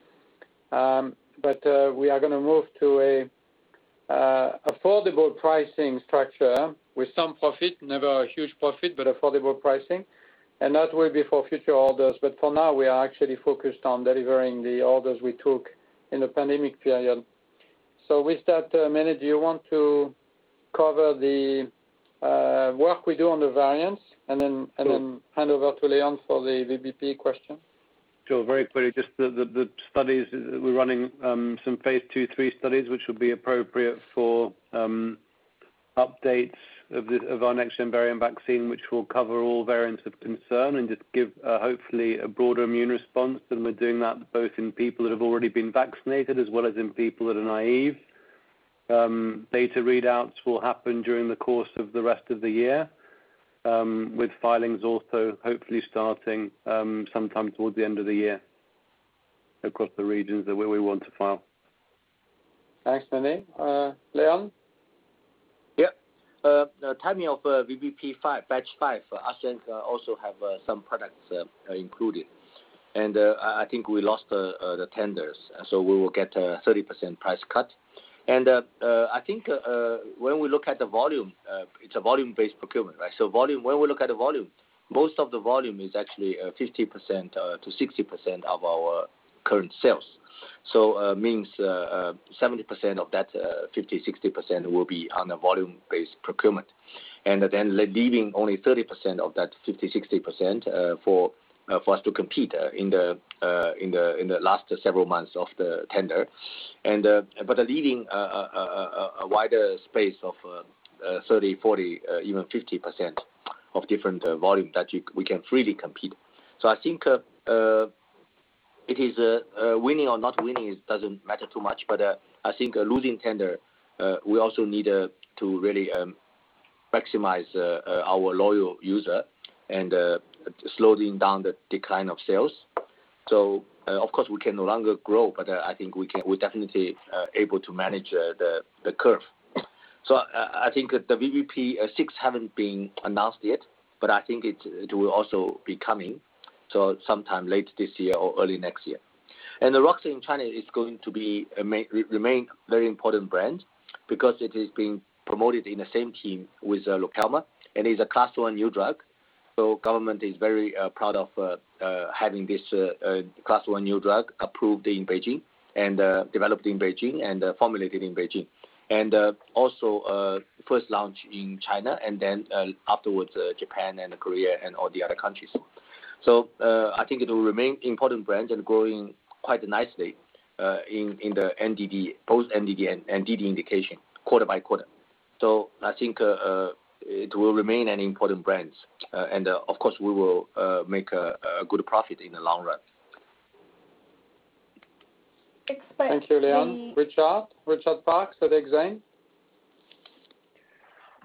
We are going to move to affordable pricing structure with some profit, never a huge profit, but affordable pricing, and that will be for future orders. For now, we are actually focused on delivering the orders we took in the pandemic period. With that, Mene, do you want to cover the work we do on the variants? Sure Hand over to Leon for the VBP question? Sure. Very quickly, just the studies. We're running some phase II, III studies, which will be appropriate for updates of our next variant vaccine, which will cover all variants of concern and just give, hopefully, a broader immune response. We're doing that both in people that have already been vaccinated as well as in people that are naive. Data readouts will happen during the course of the rest of the year, with filings also hopefully starting sometime towards the end of the year across the regions where we want to file. Thanks, Mene. Leon? Yep. The timing of VBP 5, batch five, AstraZeneca also have some products included. I think we lost the tenders, so we will get a 30% price cut. I think when we look at the volume, it's a volume-based procurement, right? Volume, when we look at the volume, most of the volume is actually 50%-60% of our current sales. It means 70% of that 50%-60% will be on a volume-based procurement. Leaving only 30% of that 50%-60% for us to compete in the last several months of the tender. Leaving a wider space of 30%, 40%, even 50% of different volume that we can freely compete. I think it is winning or not winning doesn't matter too much, but I think losing tender, we also need to really maximize our loyal user and slowing down the decline of sales. Of course, we can no longer grow, but I think we're definitely able to manage the curve. I think the VBP 6 haven't been announced yet, but I think it will also be coming, so sometime late this year or early next year. The roxi in China is going to remain a very important brand because it is being promoted in the same team with Lokelma and is a Class 1 new drug. The government is very proud of having this class 1 new drug approved in Beijing and developed in Beijing and formulated in Beijing. Also, first launch in China and then afterwards Japan and Korea and all the other countries. I think it will remain an important brand and growing quite nicely in the post NDD and NDD indication quarter-by-quarter. I think it will remain an important brand. Of course, we will make a good profit in the long run. Thank you, Leon. Richard Parkes at Exane.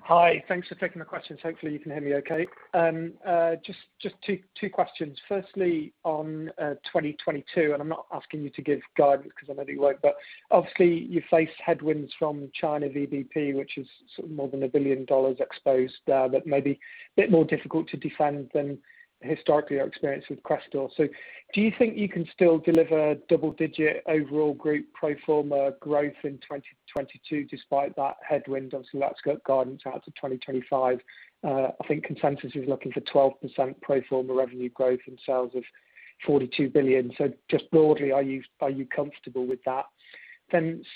Hi. Thanks for taking the questions. Hopefully, you can hear me okay. Just two questions. Firstly, on 2022, I'm not asking you to give guidance because I know you won't, but obviously you face headwinds from China VBP, which is sort of more than $1 billion exposed there, that may be a bit more difficult to defend than historically our experience with Crestor. Do you think you can still deliver double-digit overall group pro forma growth in 2022 despite that headwind? Obviously, let's get guidance out to 2025. I think consensus is looking for 12% pro forma revenue growth and sales of $42 billion. Just broadly, are you comfortable with that?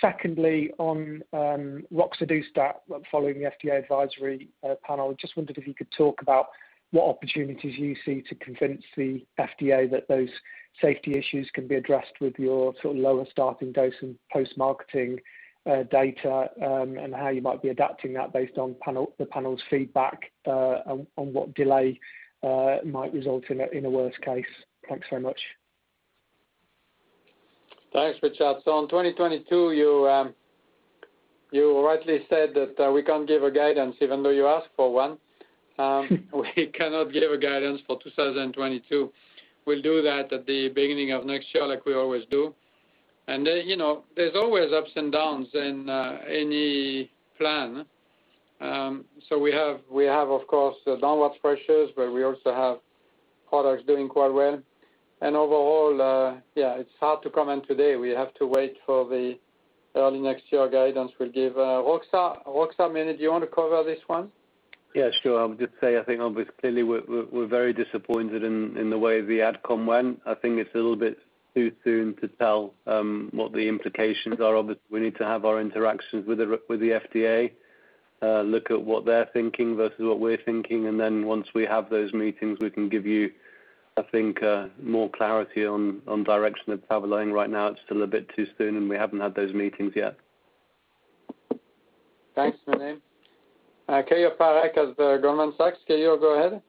Secondly, on roxadustat, following the FDA advisory panel, just wondered if you could talk about what opportunities you see to convince the FDA that those safety issues can be addressed with your sort of lower starting dose and post-marketing data, and how you might be adapting that based on the panel's feedback, on what delay might result in a worst case. Thanks very much. Thanks, Richard. In 2022, you rightly said that we can't give a guidance even though you ask for one. We cannot give a guidance for 2022. We'll do that at the beginning of next year like we always do. There's always ups and downs in any plan. We have, of course, the downwards pressures, but we also have products doing quite well. Overall, yeah, it's hard to comment today. We have to wait for the early next year guidance we'll give. Roxar, Mene, do you want to cover this one? Yeah, sure. I would just say I think obviously, clearly we're very disappointed in the way the outcome went. I think it's a little bit too soon to tell what the implications are. Obviously, we need to have our interactions with the FDA, look at what they're thinking versus what we're thinking, and then once we have those meetings, we can give you, I think, more clarity on direction it's traveling. Right now it's still a bit too soon, and we haven't had those meetings yet. Thanks, Mene. Keyur Parekh at the Goldman Sachs. Keyur, go ahead.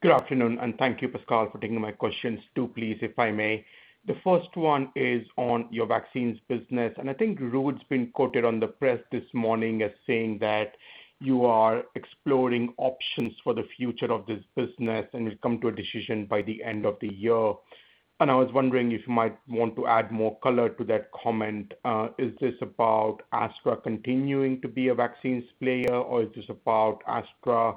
Good afternoon, and thank you, Pascal, for taking my questions. 2, please, if I may. The first one is on your vaccines business, and I think Ruud's been quoted on the press this morning as saying that you are exploring options for the future of this business, and you'll come to a decision by the end of the year. I was wondering if you might want to add more color to that comment. Is this about Astra continuing to be a vaccines player, or is this about Astra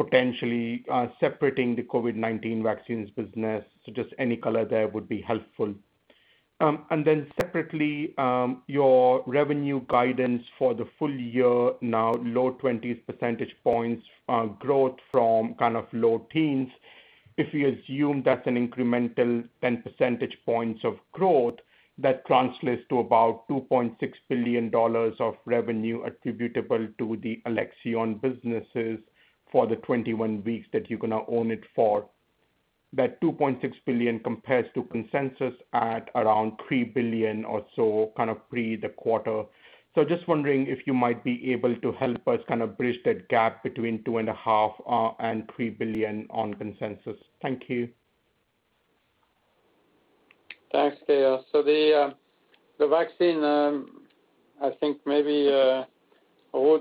potentially separating the COVID-19 vaccines business? Just any color there would be helpful. Separately, your revenue guidance for the full year now, low 20s percentage points growth from low teens. If we assume that's an incremental 10 percentage points of growth, that translates to about $2.6 billion of revenue attributable to the Alexion businesses for the 21 weeks that you're going to own it for. That $2.6 billion compares to consensus at around $3 billion or so, pre the quarter. Just wondering if you might be able to help us bridge that gap between $2.5 billion and $3 billion on consensus. Thank you. Thanks, Keyur. The vaccine, I think maybe Ruud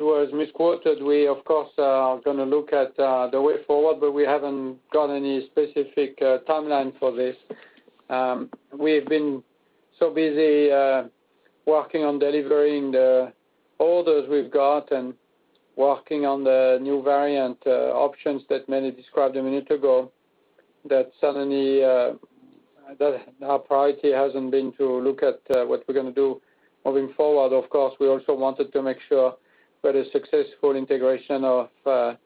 was misquoted. We, of course, are going to look at the way forward, but we haven't got any specific timeline for this. We've been so busy working on delivering the orders we've got and working on the new variant options that Mene described a minute ago, that certainly, our priority hasn't been to look at what we're going to do moving forward. Of course, we also wanted to make sure very successful integration of the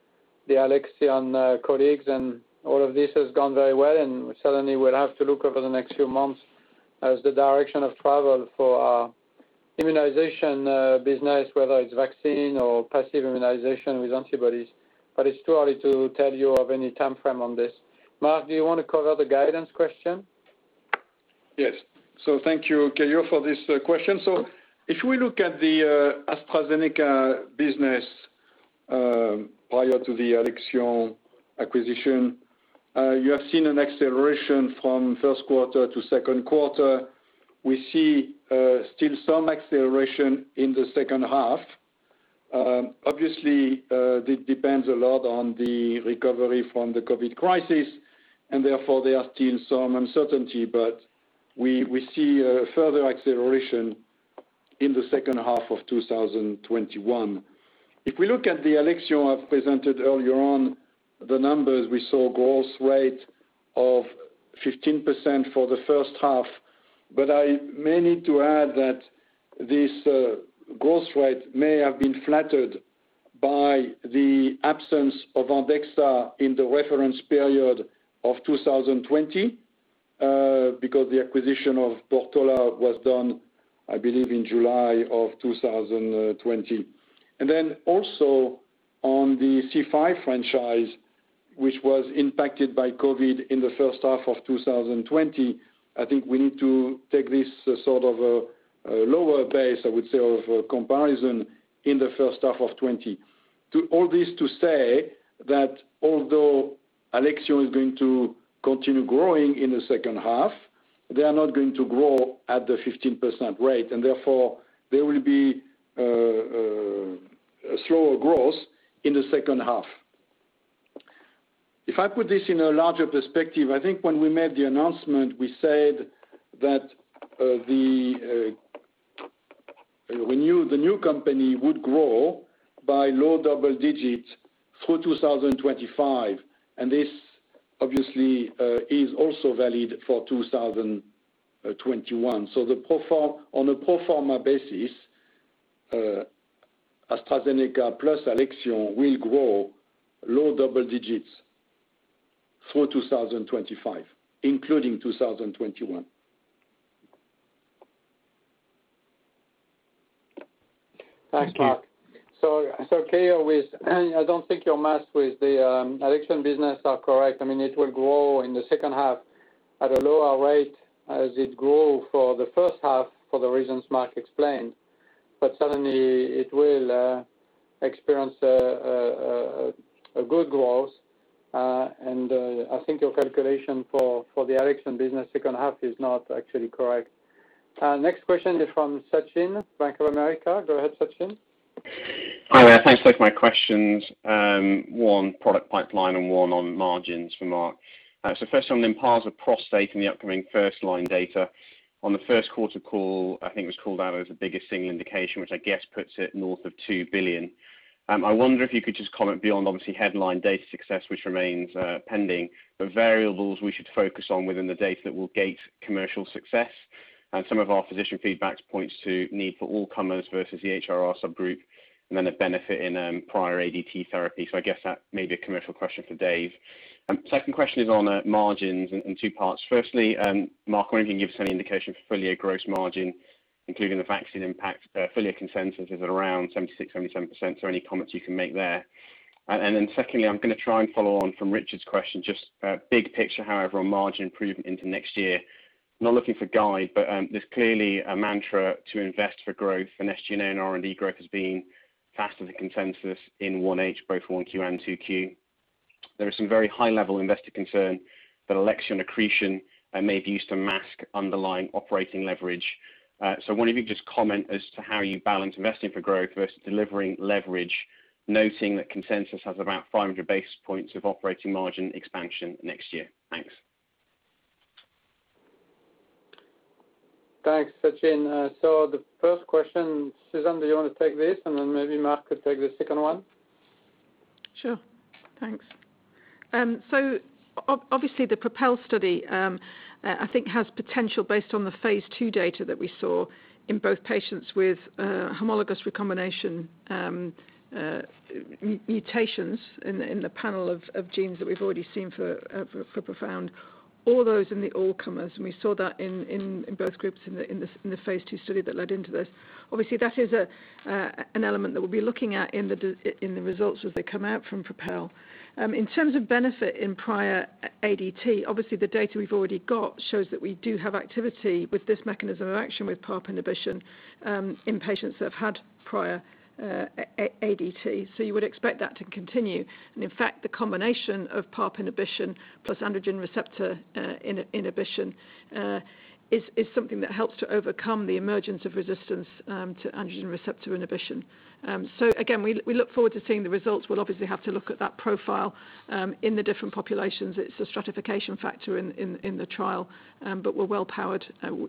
Alexion colleagues and all of this has gone very well, and certainly we'll have to look over the next few months as the direction of travel for our immunization business, whether it's vaccine or passive immunization with antibodies. It's too early to tell you of any timeframe on this. Marc, do you want to cover the guidance question? Yes. Thank you, Keyur, for this question. If we look at the AstraZeneca business prior to the Alexion acquisition, you have seen an acceleration from first quarter to second quarter. We see still some acceleration in the second half. Obviously, this depends a lot on the recovery from the COVID crisis, and therefore there are still some uncertainty, but we see a further acceleration in the second half of 2021. If we look at the Alexion I've presented earlier on, the numbers, we saw growth rate of 15% for the first half. I may need to add that this growth rate may have been flattered by the absence of ANDEXXA in the reference period of 2020, because the acquisition of Portola was done, I believe, in July of 2020. Then also on the C5 franchise, which was impacted by COVID in the first half of 2020, I think we need to take this sort of a lower base, I would say, of comparison in the first half of 2020. All this to say that although Alexion is going to continue growing in the second half, they are not going to grow at the 15% rate, and therefore there will be a slower growth in the second half. If I put this in a larger perspective, I think when we made the announcement, we said that the new company would grow by low double digits through 2025, and this obviously is also valid for 2021. On a pro forma basis, AstraZeneca plus Alexion will grow low double digits through 2025, including 2021. Thank you. Thanks, Marc. Keyur, I don't think your math with the Alexion business are correct. It will grow in the second half at a lower rate as it grew for the first half for the reasons Marc explained. Suddenly it will experience a good growth. I think your calculation for the Alexion business second half is not actually correct. Next question is from Sachin Jain, Bank of America. Go ahead, Sachin Jain. Hi there. Thanks. Both my questions, one product pipeline and one on margins for Marc. First on Lynparza prostate and the upcoming first-line data. On the first quarter call, I think it was called out as the biggest single indication, which I guess puts it north of $2 billion. I wonder if you could just comment beyond obviously headline data success, which remains pending, the variables we should focus on within the data that will gate commercial success. Some of our physician feedback points to need for all comers versus the HRR subgroup, and then a benefit in prior ADT therapy. I guess that may be a commercial question for Dave. Second question is on margins in two parts. Firstly, Marc, I wonder if you can give us any indication for full year gross margin, including the vaccine impact. Full year consensus is at around 76%, 77%. Any comments you can make there. Secondly, I'm going to try and follow on from Richard's question, just big picture, however, on margin improvement into next year. Not looking for guide, there's clearly a mantra to invest for growth and SG&A and R&D growth as being faster than consensus in 1H, both 1Q and 2Q. There is some very high-level investor concern that Alexion accretion may be used to mask underlying operating leverage. I wonder if you could just comment as to how you balance investing for growth versus delivering leverage, noting that consensus has about 500 basis points of operating margin expansion next year. Thanks. Thanks, Sachin. The first question, Susan, do you want to take this and then maybe Marc could take the second one? Sure. Thanks. Obviously the PROPEL study I think has potential based on the phase II data that we saw in both patients with homologous recombination mutations in the panel of genes that we've already seen for PROfound, or those in the all-comers, and we saw that in both groups in the phase II study that led into this. Obviously, that is an element that we'll be looking at in the results as they come out from PROPEL. In terms of benefit in prior ADT, obviously the data we've already got shows that we do have activity with this mechanism of action with PARP inhibition, in patients that have had prior ADT. You would expect that to continue. In fact, the combination of PARP inhibition plus androgen receptor inhibition is something that helps to overcome the emergence of resistance to androgen receptor inhibition. Again, we look forward to seeing the results. We'll obviously have to look at that profile in the different populations. It's a stratification factor in the trial, but we're well-powered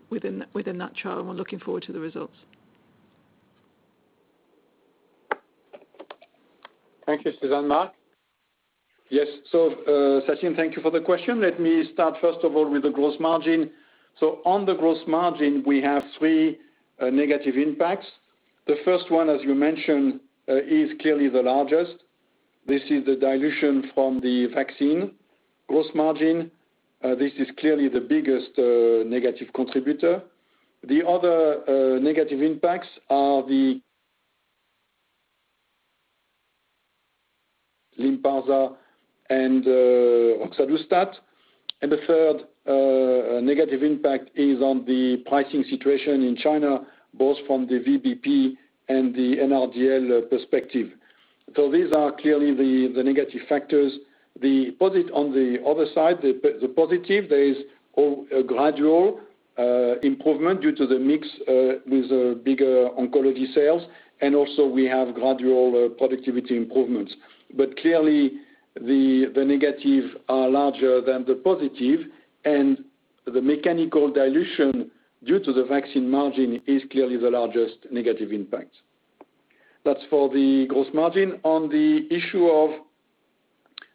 within that trial, and we're looking forward to the results. Thank you, Susan. Marc? Yes. Sachin, thank you for the question. Let me start, first of all, with the gross margin. On the gross margin, we have three negative impacts. The first one, as you mentioned, is clearly the largest. This is the dilution from the vaccine gross margin. This is clearly the biggest negative contributor. The other negative impacts are the Lynparza and roxadustat. The third negative impact is on the pricing situation in China, both from the VBP and the NRDL perspective. These are clearly the negative factors. On the other side, the positive, there is a gradual improvement due to the mix with bigger oncology sales, and also we have gradual productivity improvements. Clearly, the negative are larger than the positive, and the mechanical dilution due to the vaccine margin is clearly the largest negative impact. That's for the gross margin. On the issue of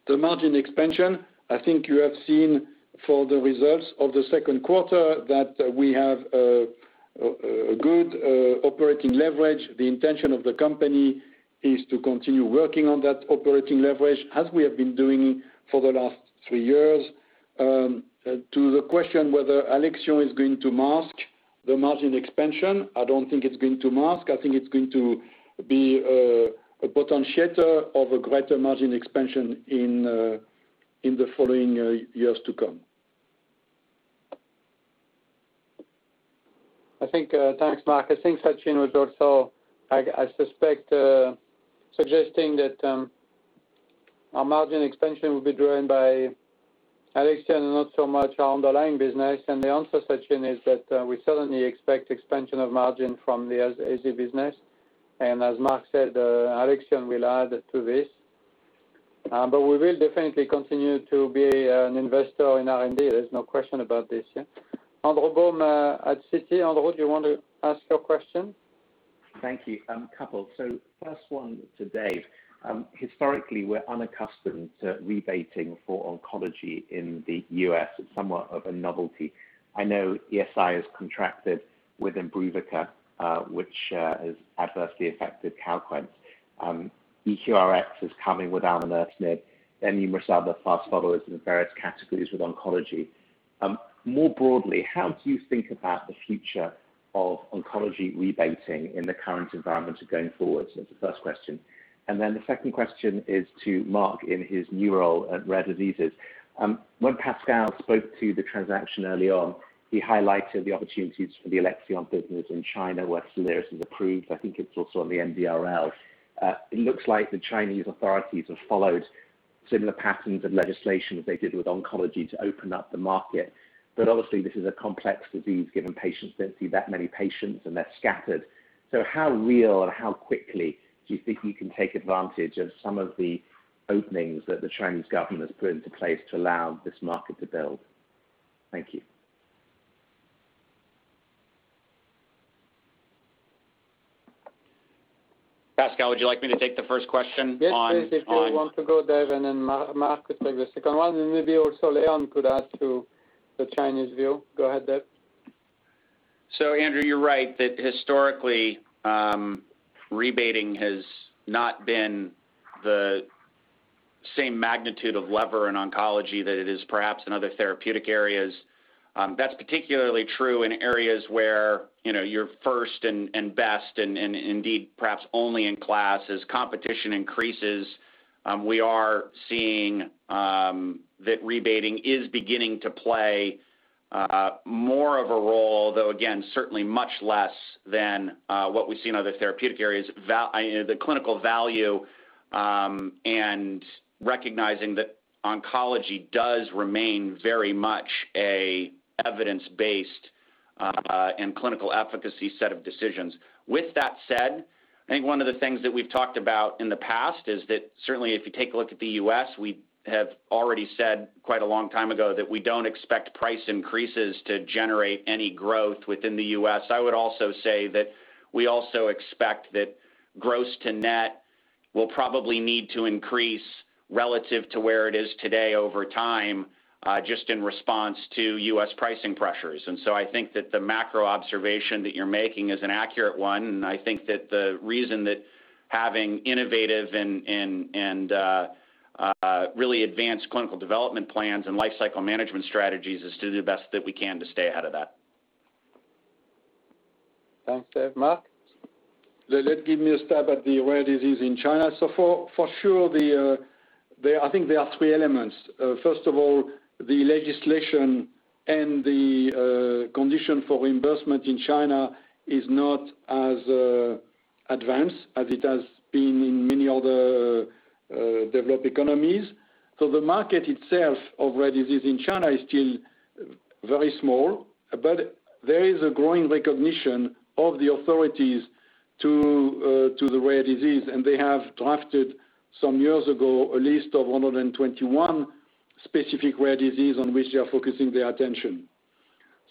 the margin expansion, I think you have seen for the results of the second quarter that we have a good operating leverage. The intention of the company is to continue working on that operating leverage as we have been doing for the last three years. To the question whether Alexion is going to mask the margin expansion, I don't think it's going to mask. I think it's going to be a potentiator of a greater margin expansion in the following years to come. Thanks, Marc. I think Sachin was also, I suspect, suggesting that our margin expansion will be driven by Alexion and not so much our underlying business. The answer, Sachin, is that we certainly expect expansion of margin from the AZ business. As Marc said, Alexion will add to this. We will definitely continue to be an investor in R&D. There is no question about this. Andrew Baum at Citi. Andrew, do you want to ask your question? Thank you. A couple. First one to Dave. Historically, we're unaccustomed to rebating for oncology in the U.S. It's somewhat of a novelty. I know ESI has contracted with IMBRUVICA, which has adversely affected CALQUENCE. EQRx is coming with aumolertinib. There are numerous other fast followers in various categories with oncology. More broadly, how do you think about the future of oncology rebating in the current environment going forward? That's the first question. The second question is to Marc in his new role at rare diseases. When Pascal spoke to the transaction early on, he highlighted the opportunities for the Alexion business in China, where SOLIRIS is approved. I think it's also on the NRDL. It looks like the Chinese authorities have followed similar patterns of legislation as they did with oncology to open up the market. Obviously, this is a complex disease, given patients don't see that many patients, and they're scattered. How real or how quickly do you think you can take advantage of some of the openings that the Chinese government has put into place to allow this market to build? Thank you. Pascal, would you like me to take the first question on? Yes, please. If you want to go, Dave, and then Marc could take the second one, and maybe also Leon could add to the Chinese view. Go ahead, Dave. Andrew, you're right that historically, rebating has not been the same magnitude of lever in oncology that it is perhaps in other therapeutic areas. That's particularly true in areas where you're first and best and indeed, perhaps only in class. As competition increases, we are seeing that rebating is beginning to play more of a role, though again, certainly much less than what we see in other therapeutic areas. The clinical value, and recognizing that oncology does remain very much a evidence-based and clinical efficacy set of decisions. With that said, I think one of the things that we've talked about in the past is that certainly if you take a look at the U.S., we have already said quite a long time ago that we don't expect price increases to generate any growth within the U.S. I would also say that we also expect that gross to net will probably need to increase relative to where it is today over time, just in response to U.S. pricing pressures. I think that the macro observation that you're making is an accurate one, and I think that the reason that having innovative and really advanced clinical development plans and lifecycle management strategies is to do the best that we can to stay ahead of that. Thanks, Dave. Marc? Let give me a stab at the rare disease in China. For sure, I think there are three elements. First of all, the legislation and the condition for reimbursement in China is not as advanced as it has been in many other developed economies. The market itself of rare disease in China is still very small. There is a growing recognition of the authorities to the rare disease, and they have drafted some years ago, a list of 121 specific rare diseases on which they are focusing their attention.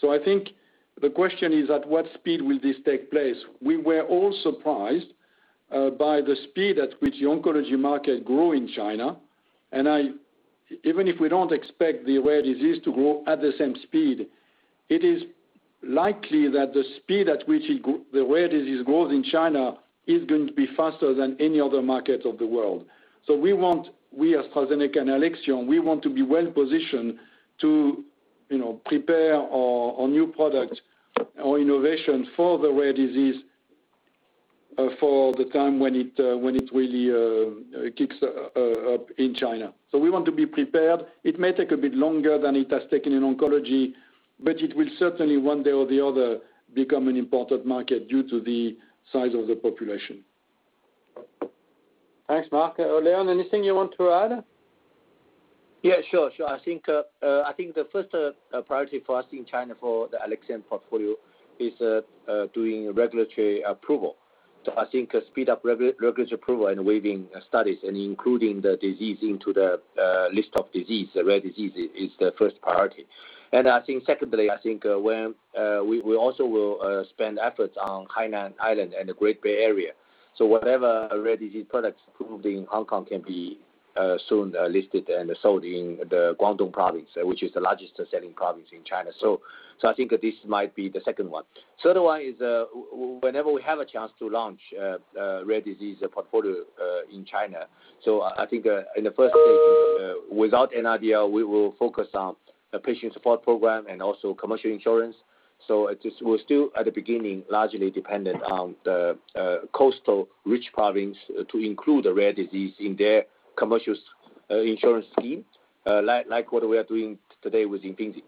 I think the question is, at what speed will this take place? We were all surprised by the speed at which the oncology market grew in China. Even if we don't expect the rare disease to grow at the same speed, it is likely that the speed at which the rare disease grows in China is going to be faster than any other market of the world. We as AstraZeneca and Alexion, we want to be well-positioned to prepare our new product, our innovation for the rare disease for the time when it really kicks up in China. We want to be prepared. It may take a bit longer than it has taken in oncology, but it will certainly one day or the other, become an important market due to the size of the population. Thanks, Marc. Leon, anything you want to add? Yeah, sure. I think the first priority for us in China for the Alexion portfolio is doing regulatory approval. I think speed up regulatory approval and waiving studies and including the disease into the list of disease, rare disease, is the first priority. I think secondly, I think we also will spend efforts on Hainan Island and the Great Bay Area. Whatever rare disease products approved in Hong Kong can be soon listed and sold in the Guangdong province, which is the largest selling province in China. I think this might be the second one. Third one is, whenever we have a chance to launch a rare disease portfolio in China. I think in the first phase, without an idea, we will focus on a patient support program and also commercial insurance. We're still at the beginning, largely dependent on the coastal rich province to include a rare disease in their commercial insurance scheme, like what we are doing today with empagliflozin.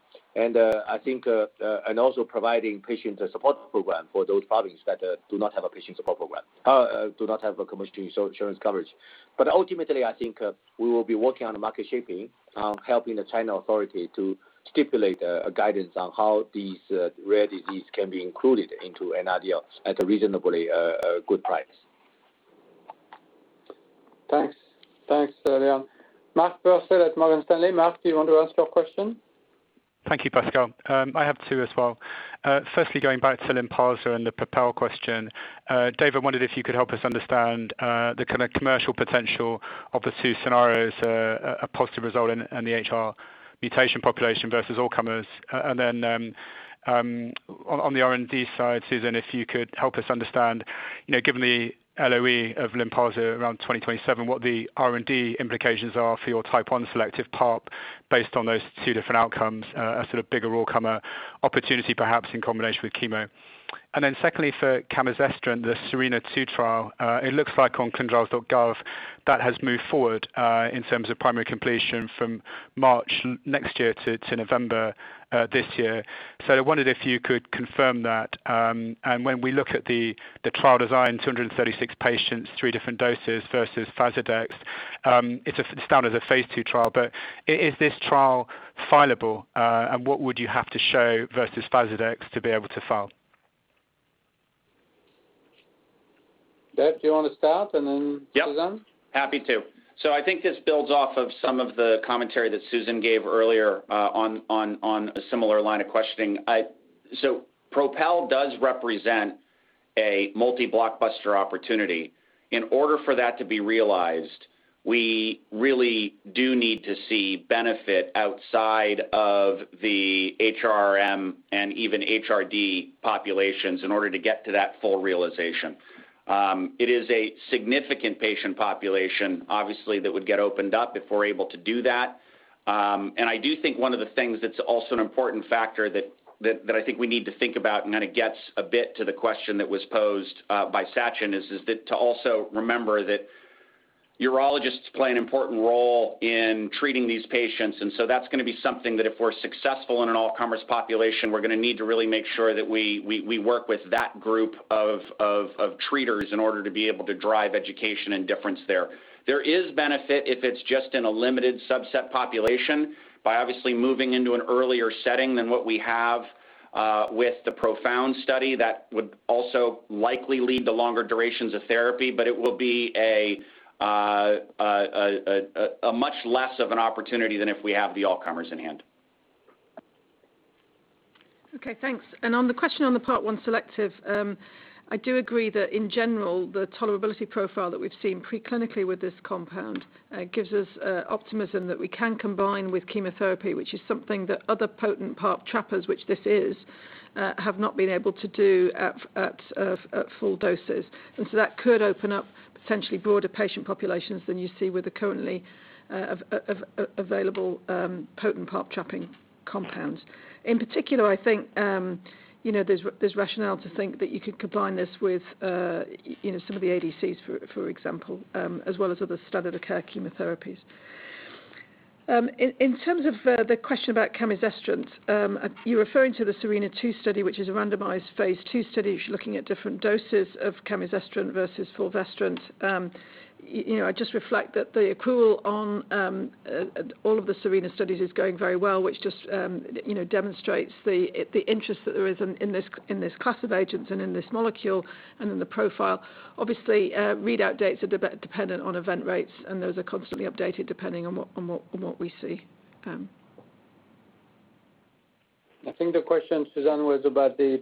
Providing patients a support program for those province that do not have a patient support program, do not have a commercial insurance coverage. Ultimately, I think we will be working on the market shaping, helping the China authority to stipulate a guidance on how these rare disease can be included into NRDL at a reasonably good price. Thanks, Leon. Mark Purcell at Morgan Stanley. Mark, do you want to ask your question? Thank you, Pascal. I have two as well. Firstly, going back to Lynparza and the PROPEL question. Dave, wondered if you could help us understand the kind of commercial potential of the two scenarios, a positive result in the HR mutation population versus all comers. On the R&D side, Susan, if you could help us understand, given the LOE of Lynparza around 2027, what the R&D implications are for your Type 1 selective PARP based on those two different outcomes, a sort of bigger all-comer opportunity, perhaps in combination with chemo. Secondly, for camizestrant, the SERENA-2 trial, it looks like on clinicaltrials.gov that has moved forward, in terms of primary completion from March next year to November this year. I wondered if you could confirm that. When we look at the trial design, 236 patients, three different doses versus FASLODEX. It's down as a phase II trial. Is this trial fileable? What would you have to show versus FASLODEX to be able to file? Dave, do you want to start, and then Susan? Yep. Happy to. I think this builds off of some of the commentary that Susan gave earlier on a similar line of questioning. PROPEL does represent a multi-blockbuster opportunity. In order for that to be realized, we really do need to see benefit outside of the HRRM and even HRD populations in order to get to that full realization. It is a significant patient population, obviously, that would get opened up if we're able to do that. I do think one of the things that is also an important factor that I think we need to think about and kind of gets a bit to the question that was posed by Sachin, is that to also remember that Urologists play an important role in treating these patients, so that is going to be something that if we are successful in an all-comers population, we are going to need to really make sure that we work with that group of treaters in order to be able to drive education and difference there. There is benefit if it is just in a limited subset population by obviously moving into an earlier setting than what we have with the PROfound study. That would also likely lead to longer durations of therapy, but it will be a much less of an opportunity than if we have the all-comers in hand. Okay, thanks. On the question on the PARP1 selective, I do agree that in general, the tolerability profile that we've seen pre-clinically with this compound gives us optimism that we can combine with chemotherapy, which is something that other potent PARP trappers, which this is, have not been able to do at full doses. That could open up potentially broader patient populations than you see with the currently available potent PARP trapping compounds. In particular, I think there's rationale to think that you could combine this with some of the ADCs, for example, as well as other standard of care chemotherapies. In terms of the question about camizestrant, you're referring to the SERENA-2 study, which is a randomized phase II study looking at different doses of camizestrant versus fulvestrant. I just reflect that the accrual on all of the SERENA studies is going very well, which just demonstrates the interest that there is in this class of agents and in this molecule and in the profile. Obviously, readout dates are dependent on event rates, and those are constantly updated depending on what we see. I think the question, Susan, was about the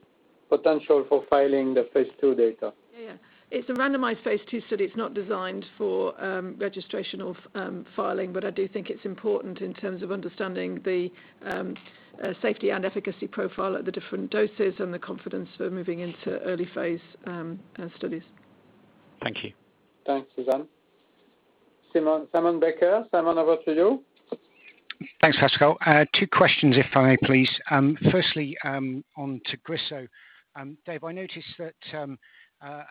potential for filing the phase II data. It's a randomized phase II study. It's not designed for registrational filing, but I do think it's important in terms of understanding the safety and efficacy profile at the different doses and the confidence for moving into early phase studies. Thank you. Thanks, Susan. Simon Baker. Simon, over to you. Thanks, Pascal. Two questions if I may please. Firstly, on Tagrisso. Dave, I noticed that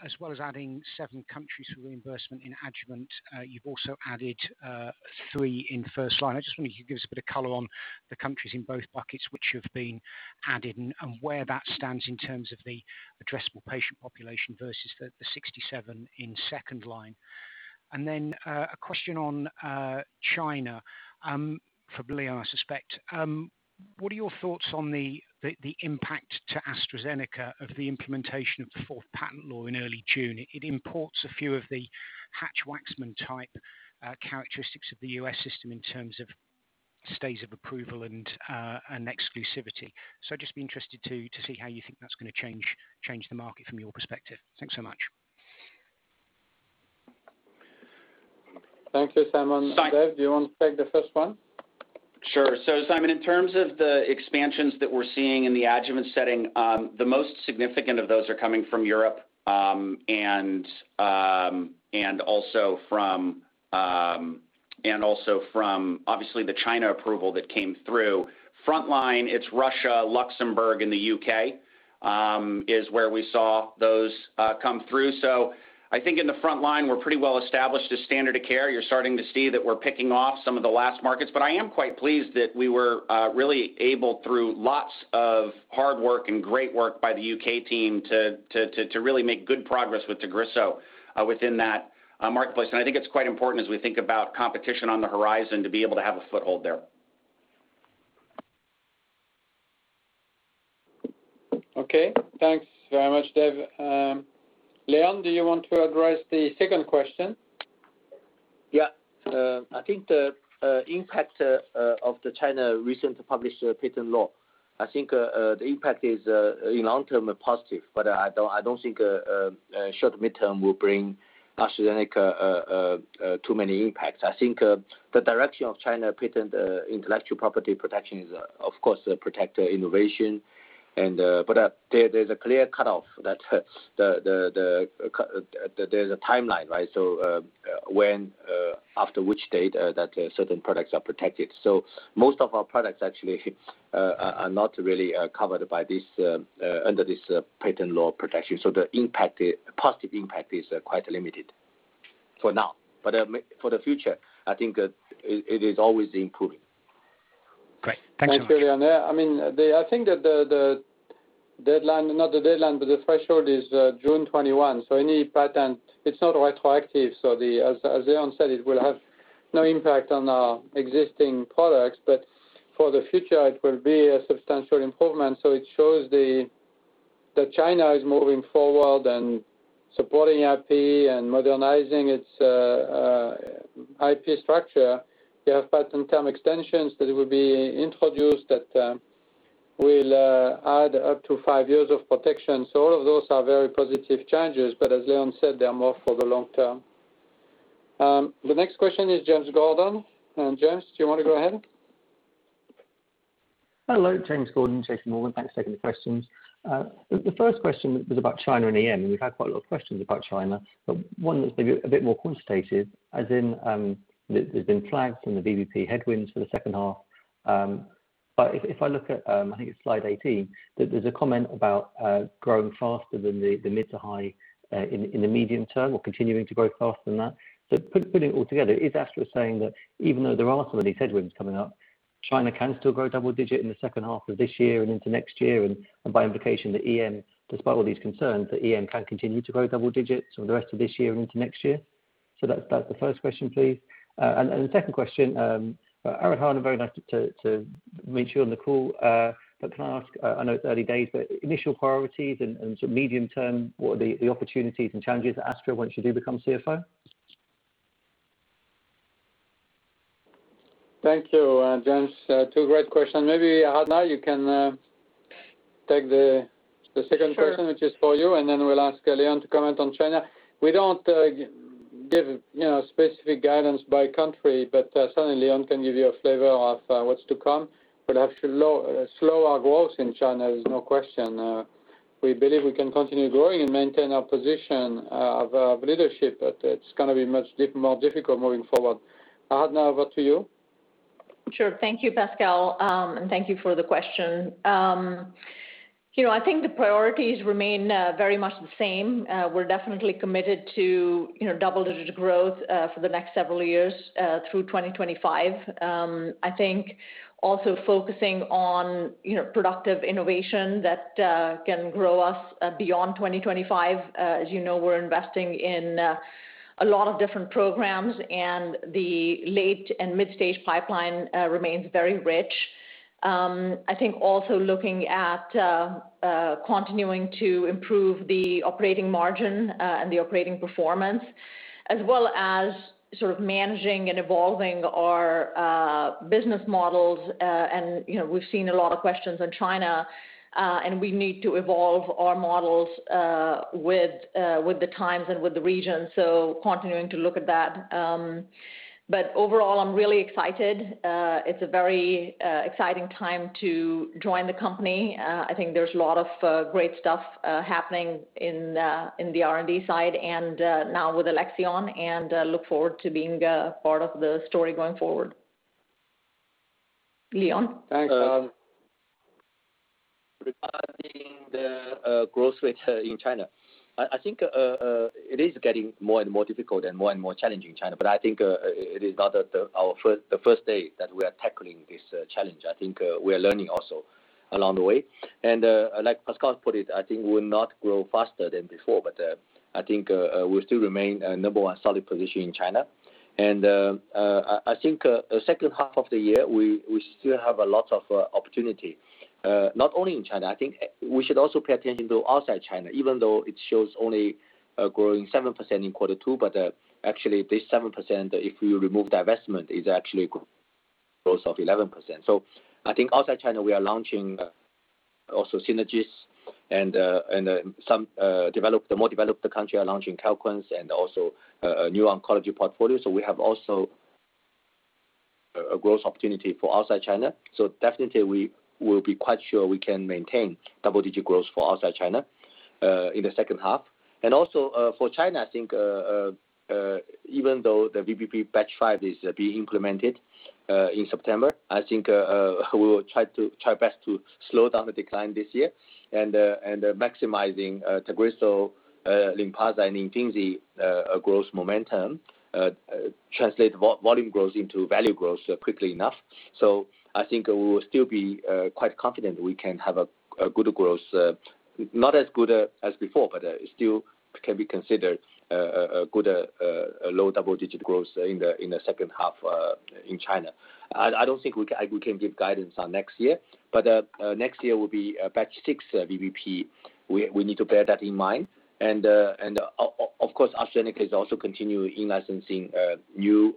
as well as adding seven countries for reimbursement in adjuvant, you've also added three in first line. I just wonder if you could give us a bit of color on the countries in both buckets, which have been added and where that stands in terms of the addressable patient population versus the 67 in second line. Then a question on China for Leon, I suspect. What are your thoughts on the impact to AstraZeneca of the implementation of the fourth patent law in early June? It imports a few of the Hatch-Waxman type characteristics of the U.S. system in terms of stays of approval and exclusivity. I'd just be interested to see how you think that's going to change the market from your perspective. Thanks so much. Thank you, Simon. Dave, do you want to take the first one? Sure. Simon, in terms of the expansions that we're seeing in the adjuvant setting, the most significant of those are coming from Europe and also from obviously the China approval that came through. Front line, it's Russia, Luxembourg, and the U.K. is where we saw those come through. I think in the front line, we're pretty well established as standard of care. You're starting to see that we're picking off some of the last markets, but I am quite pleased that we were really able, through lots of hard work and great work by the U.K. team, to really make good progress with Tagrisso within that marketplace. I think it's quite important as we think about competition on the horizon to be able to have a foothold there. Okay. Thanks very much, Dave. Leon, do you want to address the second question? I think the impact of the China recent published patent law, I think the impact is in long-term a positive. I don't think short- and mid-term will bring AstraZeneca too many impacts. I think the direction of China patent intellectual property protection is of course to protect innovation. There's a clear cutoff. There's a timeline. After which date that certain products are protected. Most of our products actually are not really covered under this patent law protection. The positive impact is quite limited for now. For the future, I think it is always improving. Great. Thanks a lot. Thanks, Leon. I think that the deadline, not the deadline, but the threshold is June 21. Any patent, it's not retroactive. As Leon said, it will have no impact on our existing products, but for the future, it will be a substantial improvement. It shows that China is moving forward and supporting IP and modernizing its IP structure. They have patent term extensions that will be introduced that will add up to five years of protection. All of those are very positive changes, but as Leon said, they are more for the long term. The next question is James Gordon. James, do you want to go ahead? Hello, James Gordon, JPMorgan. Thanks for taking the questions. The first question was about China and EM. We've had quite a lot of questions about China. One that's maybe a bit more quantitative, as in there's been flags from the VBP headwinds for the second half. If I look at, I think it's slide 18, that there's a comment about growing faster than the mid-to-high in the medium term or continuing to grow faster than that. Putting it all together, is Astra saying that even though there are some of these headwinds coming up, China can still grow double digit in the second half of this year and into next year? By implication, that EM, despite all these concerns, that EM can continue to grow double digits for the rest of this year and into next year? That's the first question, please. The second question, Aradhana, very nice to meet you on the call. Can I ask, I know it's early days, but initial priorities and sort of medium term, what are the opportunities and challenges at Astra once you do become CFO? Thank you, James. Two great questions. Maybe, Aradhana, you can take the second question. Sure which is for you, and then we'll ask Leon to comment on China. We don't give specific guidance by country, but certainly Leon can give you a flavor of what's to come. We'll have to slow our growth in China, there's no question. We believe we can continue growing and maintain our position of leadership, but it's going to be much more difficult moving forward. Aradhana, over to you. Sure. Thank you, Pascal. Thank you for the question. I think the priorities remain very much the same. We're definitely committed to double-digit growth for the next several years through 2025. I think also focusing on productive innovation that can grow us beyond 2025. As you know, we're investing in a lot of different programs, and the late and mid-stage pipeline remains very rich. I think also looking at continuing to improve the operating margin and the operating performance, as well as sort of managing and evolving our business models. We've seen a lot of questions in China, and we need to evolve our models with the times and with the region, so continuing to look at that. Overall, I'm really excited. It's a very exciting time to join the company. I think there's a lot of great stuff happening in the R&D side and now with Alexion, and look forward to being a part of the story going forward. Leon? Thanks. Regarding the growth rate in China. I think it is getting more and more difficult and more and more challenging in China. I think it is not the first day that we are tackling this challenge. I think we are learning also along the way. Like Pascal put it, I think we'll not grow faster than before, but I think we'll still remain number one solid position in China. I think the second half of the year, we still have a lot of opportunity. Not only in China, I think we should also pay attention to outside China, even though it shows only growing 7% in quarter two, but actually this 7%, if we remove divestment, is actually growth of 11%. I think outside China, we are launching also synergies and some more developed country are launching Calquence and also a new oncology portfolio. We have also a growth opportunity for outside China. Definitely we'll be quite sure we can maintain double-digit growth for outside China in the second half. For China, I think even though the VBP batch five is being implemented in September, I think we will try best to slow down the decline this year and maximizing Tagrisso, Lynparza and Imfinzi growth momentum, translate volume growth into value growth quickly enough. I think we will still be quite confident we can have a good growth. Not as good as before, but still can be considered a good low double-digit growth in the second half in China. I don't think we can give guidance on next year, but next year will be batch 6 VBP. We need to bear that in mind. Of course, AstraZeneca is also continuing in-licensing a new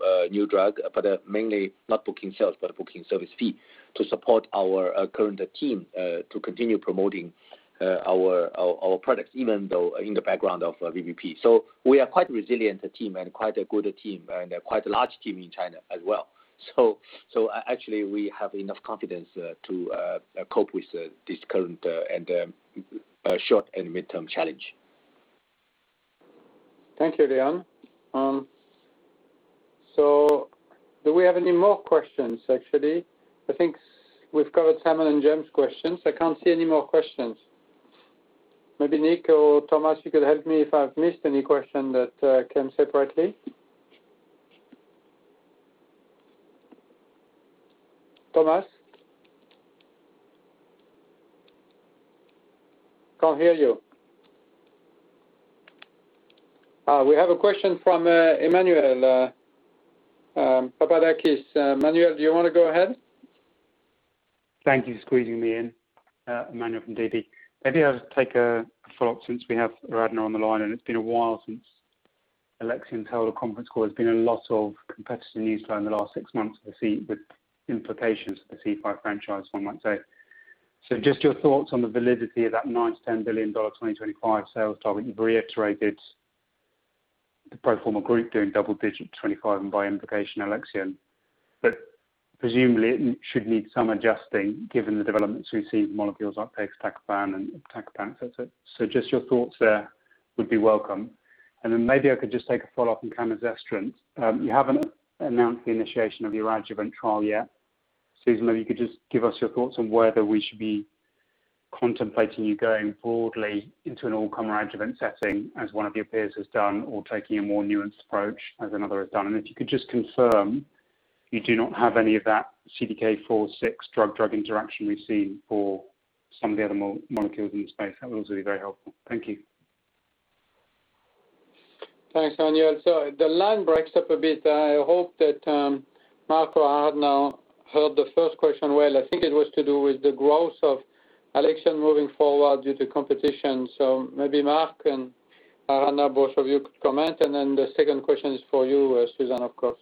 drug, but mainly not booking sales, but booking service fee to support our current team to continue promoting our products, even though in the background of VBP. We are quite a resilient team and quite a good team, and quite a large team in China as well. Actually, we have enough confidence to cope with this current and short and midterm challenge. Thank you, Leon. Do we have any more questions, actually? I think we've covered Simon and James's questions. I can't see any more questions. Maybe Nick or Thomas, you could help me if I've missed any question that came separately. Thomas? Can't hear you. We have a question from Emmanuel Papadakis. Emmanuel, do you want to go ahead? Thank you for squeezing me in. Emmanuel from DB. Maybe I'll take a follow-up since we have Aradhana on the line, and it's been a while since Alexion's held a conference call. There's been a lot of competitive news flow in the last six months with implications for the C5 franchise, one might say. Just your thoughts on the validity of that $9 billion-$10 billion 2025 sales target you've reiterated, the pro forma group doing double digits 2025 and by implication, Alexion. Presumably, it should need some adjusting given the developments we've seen with molecules like iptacopan and iptacopan, et cetera. Just your thoughts there would be welcome. Maybe I could just take a follow-up on camizestrant. Susan, maybe you could just give us your thoughts on whether we should be contemplating you going broadly into an all-comer adjuvant setting, as one of your peers has done, or taking a more nuanced approach, as another has done. If you could just confirm you do not have any of that CDK4/6 drug-drug interaction we've seen for some of the other molecules in the space, that would also be very helpful. Thank you. Thanks, Emmanuel. The line breaks up a bit. I hope that Marc or Aradhana heard the first question well. I think it was to do with the growth of Alexion moving forward due to competition. Maybe Marc and Aradhana, both of you could comment. The second question is for you, Susan, of course.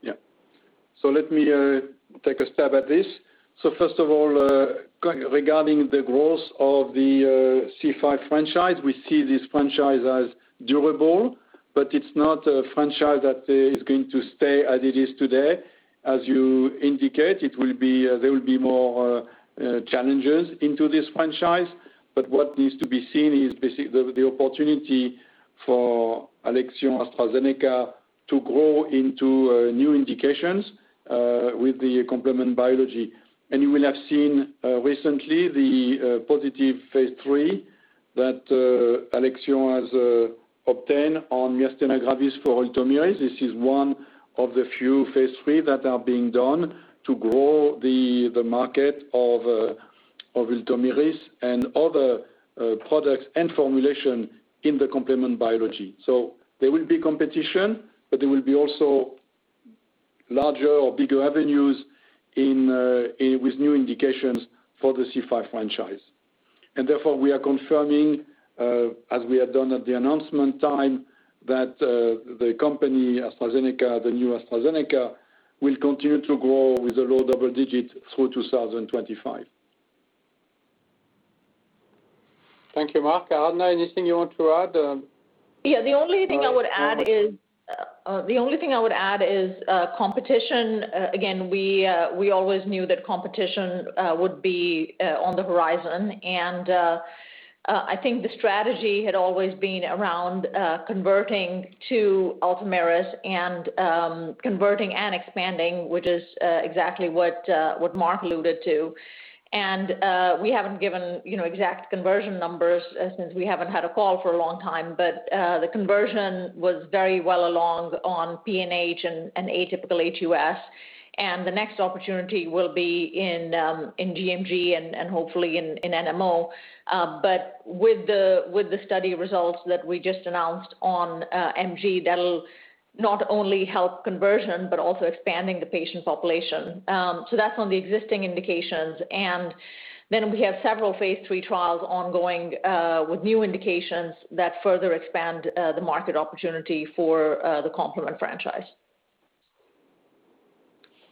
Yeah. Let me take a stab at this. First of all, regarding the growth of the C5 franchise, we see this franchise as durable, but it's not a franchise that is going to stay as it is today. As you indicate, there will be more challenges into this franchise. What needs to be seen is the opportunity for Alexion AstraZeneca to grow into new indications, with the complement biology. You will have seen recently the positive phase III that Alexion has obtained on myasthenia gravis for ULTOMIRIS. This is one of the few phase III that are being done to grow the market of ULTOMIRIS and other products and formulation in the complement biology. There will be competition, but there will be also larger or bigger avenues with new indications for the C5 franchise. Therefore, we are confirming, as we have done at the announcement time, that the company AstraZeneca, the new AstraZeneca, will continue to grow with a low double digit through 2025. Thank you, Marc. Aradhana, anything you want to add? Yeah. The only thing I would add is competition. We always knew that competition would be on the horizon. I think the strategy had always been around converting to ULTOMIRIS and converting and expanding, which is exactly what Marc alluded to. We haven't given exact conversion numbers since we haven't had a call for a long time. The conversion was very well along on PNH and atypical HUS. The next opportunity will be in gMG and hopefully in NMO. With the study results that we just announced on MG, that'll not only help conversion but also expanding the patient population. That's on the existing indications. We have several phase III trials ongoing with new indications that further expand the market opportunity for the complement franchise.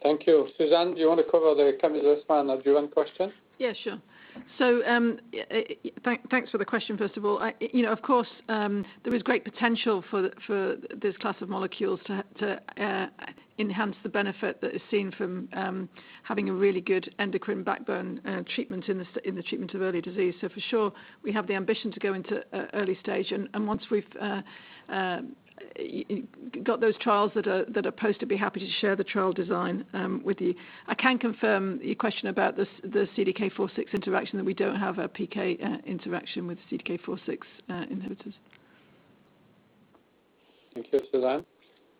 Thank you. Susan, do you want to cover the camizestrant adjuvant question? Yeah, sure. Thanks for the question, first of all. Of course, there is great potential for this class of molecules to enhance the benefit that is seen from having a really good endocrine backbone treatment in the treatment of early disease. For sure, we have the ambition to go into early stage. Once we've got those trials that are poised to be happy to share the trial design with you. I can confirm your question about the CDK4/6 interaction, that we don't have a PK interaction with CDK4/6 inhibitors. Thank you, Susan.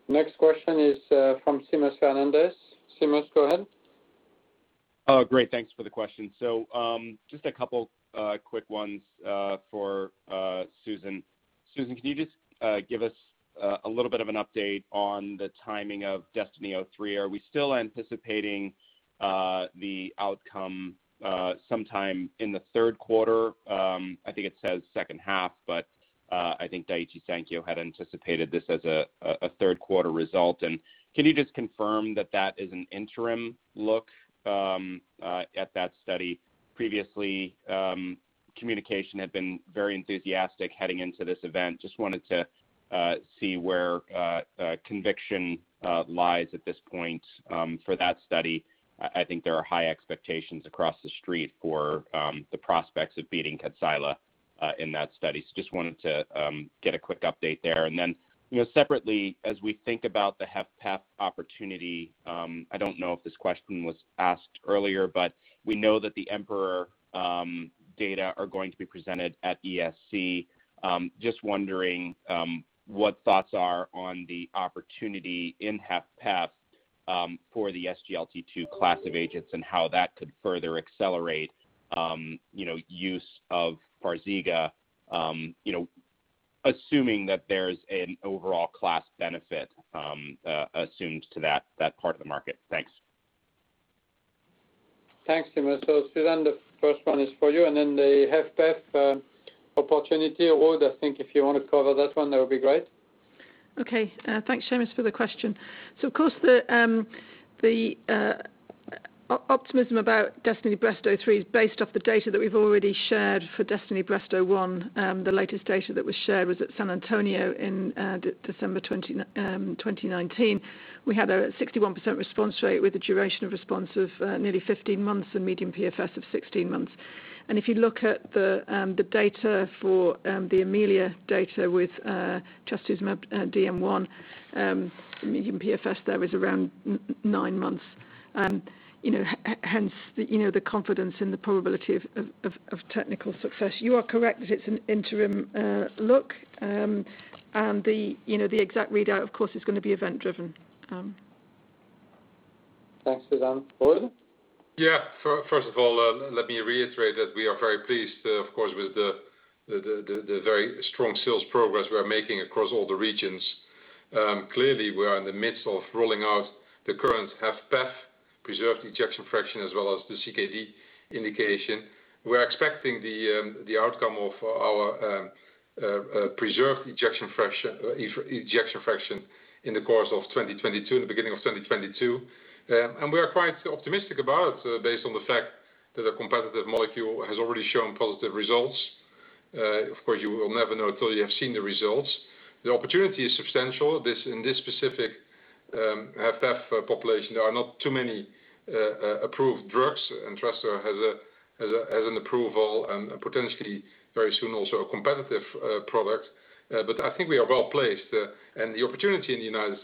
Next question is from Seamus Fernandez. Seamus, go ahead. Oh, great. Thanks for the question. Just a couple quick ones for Susan. Susan, can you just give us a little bit of an update on the timing of DESTINY-Breast03? Are we still anticipating the outcome sometime in the third quarter? I think it says second half, but I think Daiichi Sankyo had anticipated this as a third-quarter result. Can you just confirm that that is an interim look at that study? Previously, communication had been very enthusiastic heading into this event. Just wanted to see where conviction lies at this point for that study. I think there are high expectations across the street for the prospects of beating Kadcyla in that study. Just wanted to get a quick update there. Then separately, as we think about the HFpEF opportunity, I don't know if this question was asked earlier, but we know that the EMPEROR data are going to be presented at ESC. Just wondering what thoughts are on the opportunity in HFpEF for the SGLT2 class of agents and how that could further accelerate use of Farxiga, assuming that there's an overall class benefit assumed to that part of the market. Thanks. Thanks, Seamus. Susan, the first one is for you, the HFpEF Opportunity Award, I think if you want to cover that one, that would be great. Okay. Thanks, Seamus, for the question. Of course, the optimism about DESTINY-Breast03 is based off the data that we've already shared for DESTINY-Breast01. The latest data that was shared was at San Antonio in December 2019. We had a 61% response rate with a duration of response of nearly 15 months and median PFS of 16 months. If you look at the EMILIA data with trastuzumab emtansine, median PFS there is around nine months. Hence, the confidence and the probability of technical success. You are correct that it's an interim look. The exact readout, of course, is going to be event-driven. Thanks, Susan. Ruud? Yeah. First of all, let me reiterate that we are very pleased, of course, with the very strong sales progress we are making across all the regions. We are in the midst of rolling out the current HFpEF preserved ejection fraction, as well as the CKD indication. We're expecting the outcome of our preserved ejection fraction in the course of 2022, in the beginning of 2022. We are quite optimistic about it based on the fact that a competitive molecule has already shown positive results. Of course, you will never know until you have seen the results. The opportunity is substantial. In this specific HFpEF population, there are not too many approved drugs. Entresto has an an approval and potentially very soon, also a competitive product. I think we are well-placed. The opportunity in the U.S.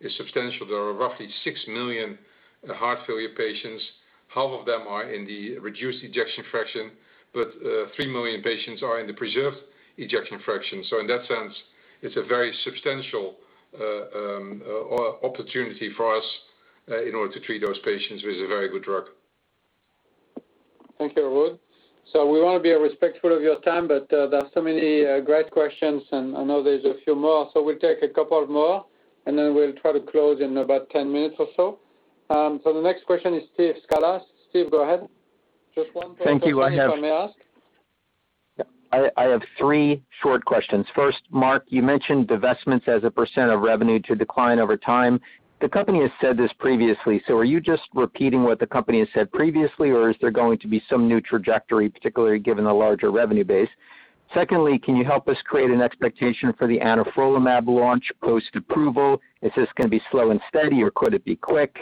is substantial. There are roughly 6 million heart failure patients. Half of them are in the reduced ejection fraction, but 3 million patients are in the preserved ejection fraction. In that sense, it's a very substantial opportunity for us in order to treat those patients with a very good drug. Thank you, Ruud. We want to be respectful of your time, but there are so many great questions, and I know there's a few more. We'll take a couple more, and then we'll try to close in about 10 minutes or so. The next question is Steve Scala. Steve, go ahead. Just one question- Thank you. If I may ask? I have three short questions. First, Mark, you mentioned divestments as a percent of revenue to decline over time. The company has said this previously, are you just repeating what the company has said previously, or is there going to be some new trajectory, particularly given the larger revenue base? Secondly, can you help us create an expectation for the anifrolumab launch post-approval? Is this going to be slow and steady, or could it be quick?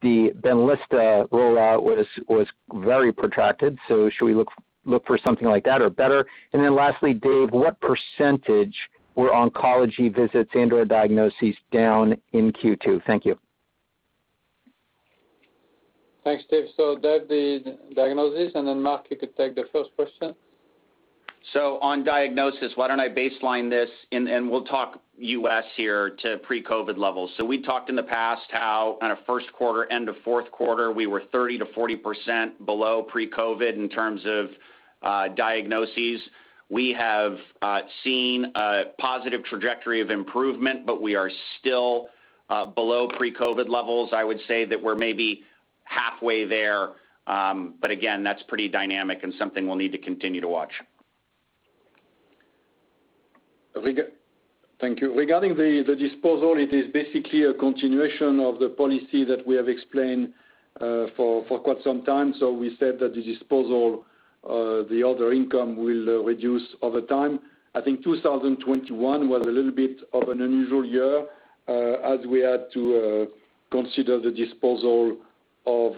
The BENLYSTA rollout was very protracted, should we look for something like that or better? Lastly, Dave, what percentage were oncology visits and/or diagnoses down in Q2? Thank you. Thanks, Steve. Dave, the diagnoses, and then Marc, you could take the first question. On diagnosis, why don't I baseline this, and we'll talk U.S. here to pre-COVID levels. We talked in the past how on a first quarter, end of fourth quarter, we were 30%-40% below pre-COVID in terms of diagnoses. We have seen a positive trajectory of improvement, but we are still below pre-COVID levels. I would say that we're maybe halfway there. Again, that's pretty dynamic and something we'll need to continue to watch. Thank you. Regarding the disposal, it is basically a continuation of the policy that we have explained for quite some time. We said that the disposal, the other income will reduce over time. I think 2021 was a little bit of an unusual year, as we had to consider the disposal of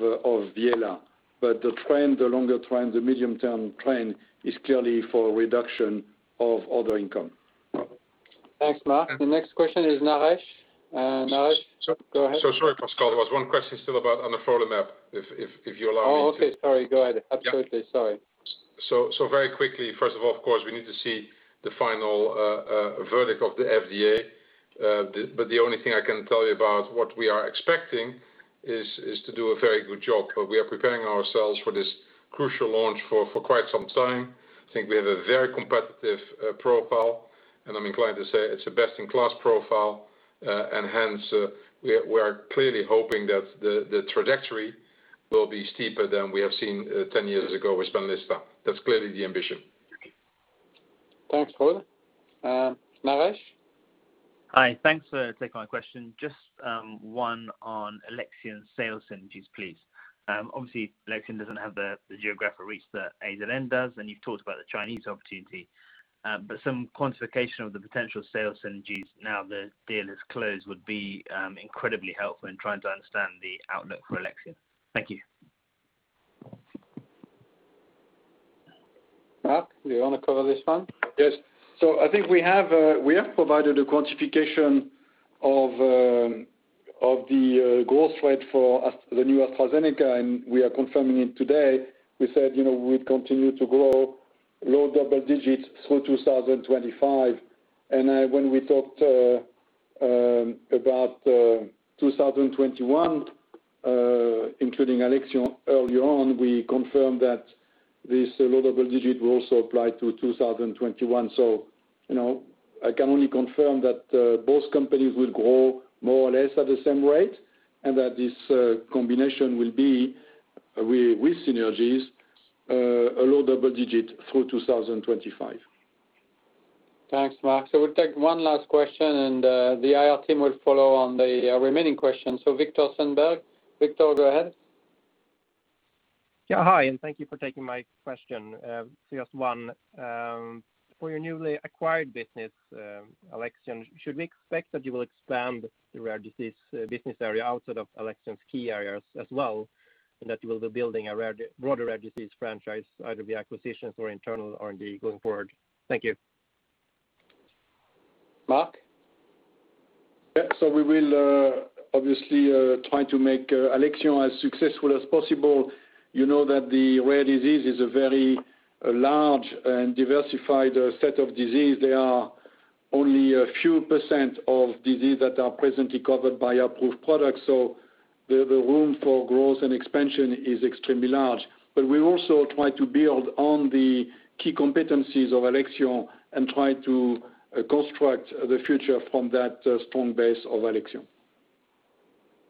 Viela. The trend, the longer trend, the medium-term trend is clearly for a reduction of other income. Thanks, Marc. The next question is Naresh. Naresh, go ahead. Sorry, Pascal. There was one question still about anifrolumab, if you allow me to. Oh, okay. Sorry, go ahead. Absolutely, sorry. Very quickly, first of all, of course, we need to see the final verdict of the FDA. The only thing I can tell you about what we are expecting is to do a very good job. We are preparing ourselves for this crucial launch for quite some time. I think we have a very competitive profile, and I'm inclined to say it's a best-in-class profile. Hence, we are clearly hoping that the trajectory will be steeper than we have seen 10 years ago with BENLYSTA. That's clearly the ambition. Thanks, Ruud. Naresh? Hi. Thanks for taking my question. Just one on Alexion sales synergies, please. Obviously, Alexion doesn't have the geographic reach that AZN does, and you've talked about the Chinese opportunity. Some quantification of the potential sales synergies now the deal is closed would be incredibly helpful in trying to understand the outlook for Alexion. Thank you. Marc, do you want to cover this one? Yes. I think we have provided a quantification of the growth rate for the new AstraZeneca, and we are confirming it today. We said we'd continue to grow low double digits through 2025. When we talked about 2021, including Alexion early on, we confirmed that this low double digit will also apply to 2021. I can only confirm that both companies will grow more or less at the same rate, and that this combination will be, with synergies, a low double digit through 2025. Thanks, Marc. We'll take one last question, and the IR team will follow on the remaining questions. Viktor Sundberg. Victor, go ahead. Hi, and thank you for taking my question. Just one. For your newly acquired business, Alexion, should we expect that you will expand the rare disease business area outside of Alexion's key areas as well, and that you will be building a broader rare disease franchise, either via acquisitions or internal R&D going forward? Thank you. Marc? Yeah. We will obviously try to make Alexion as successful as possible. You know that the rare disease is a very large and diversified set of disease. There are only a few percent of disease that are presently covered by our approved products. The room for growth and expansion is extremely large. We'll also try to build on the key competencies of Alexion and try to construct the future from that strong base of Alexion.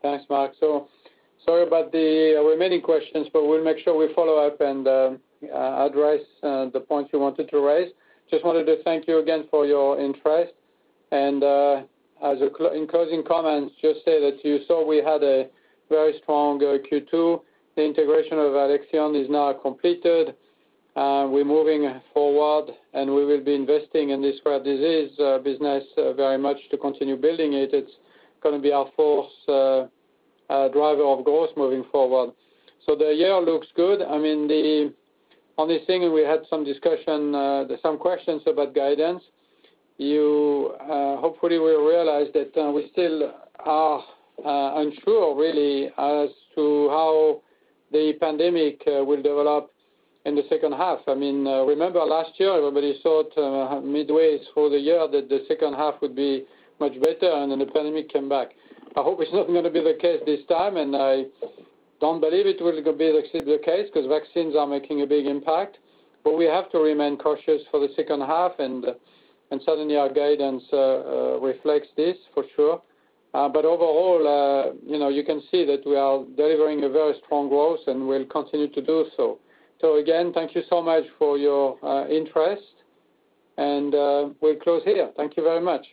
Thanks, Marc. Sorry about the remaining questions, but we'll make sure we follow up and address the points you wanted to raise. Just wanted to thank you again for your interest. In closing comments, just say that you saw we had a very strong Q2. The integration of Alexion is now completed. We're moving forward, and we will be investing in this rare disease business very much to continue building it. It's going to be our fourth driver of growth moving forward. The year looks good. The only thing, we had some discussion, there's some questions about guidance. You hopefully will realize that we still are unsure, really, as to how the pandemic will develop in the second half. Remember last year, everybody thought midway through the year that the second half would be much better, and then the pandemic came back. I hope it's not going to be the case this time, and I don't believe it will be the case, because vaccines are making a big impact. We have to remain cautious for the second half, and certainly our guidance reflects this, for sure. Overall, you can see that we are delivering a very strong growth, and we'll continue to do so. Again, thank you so much for your interest, and we'll close here. Thank you very much.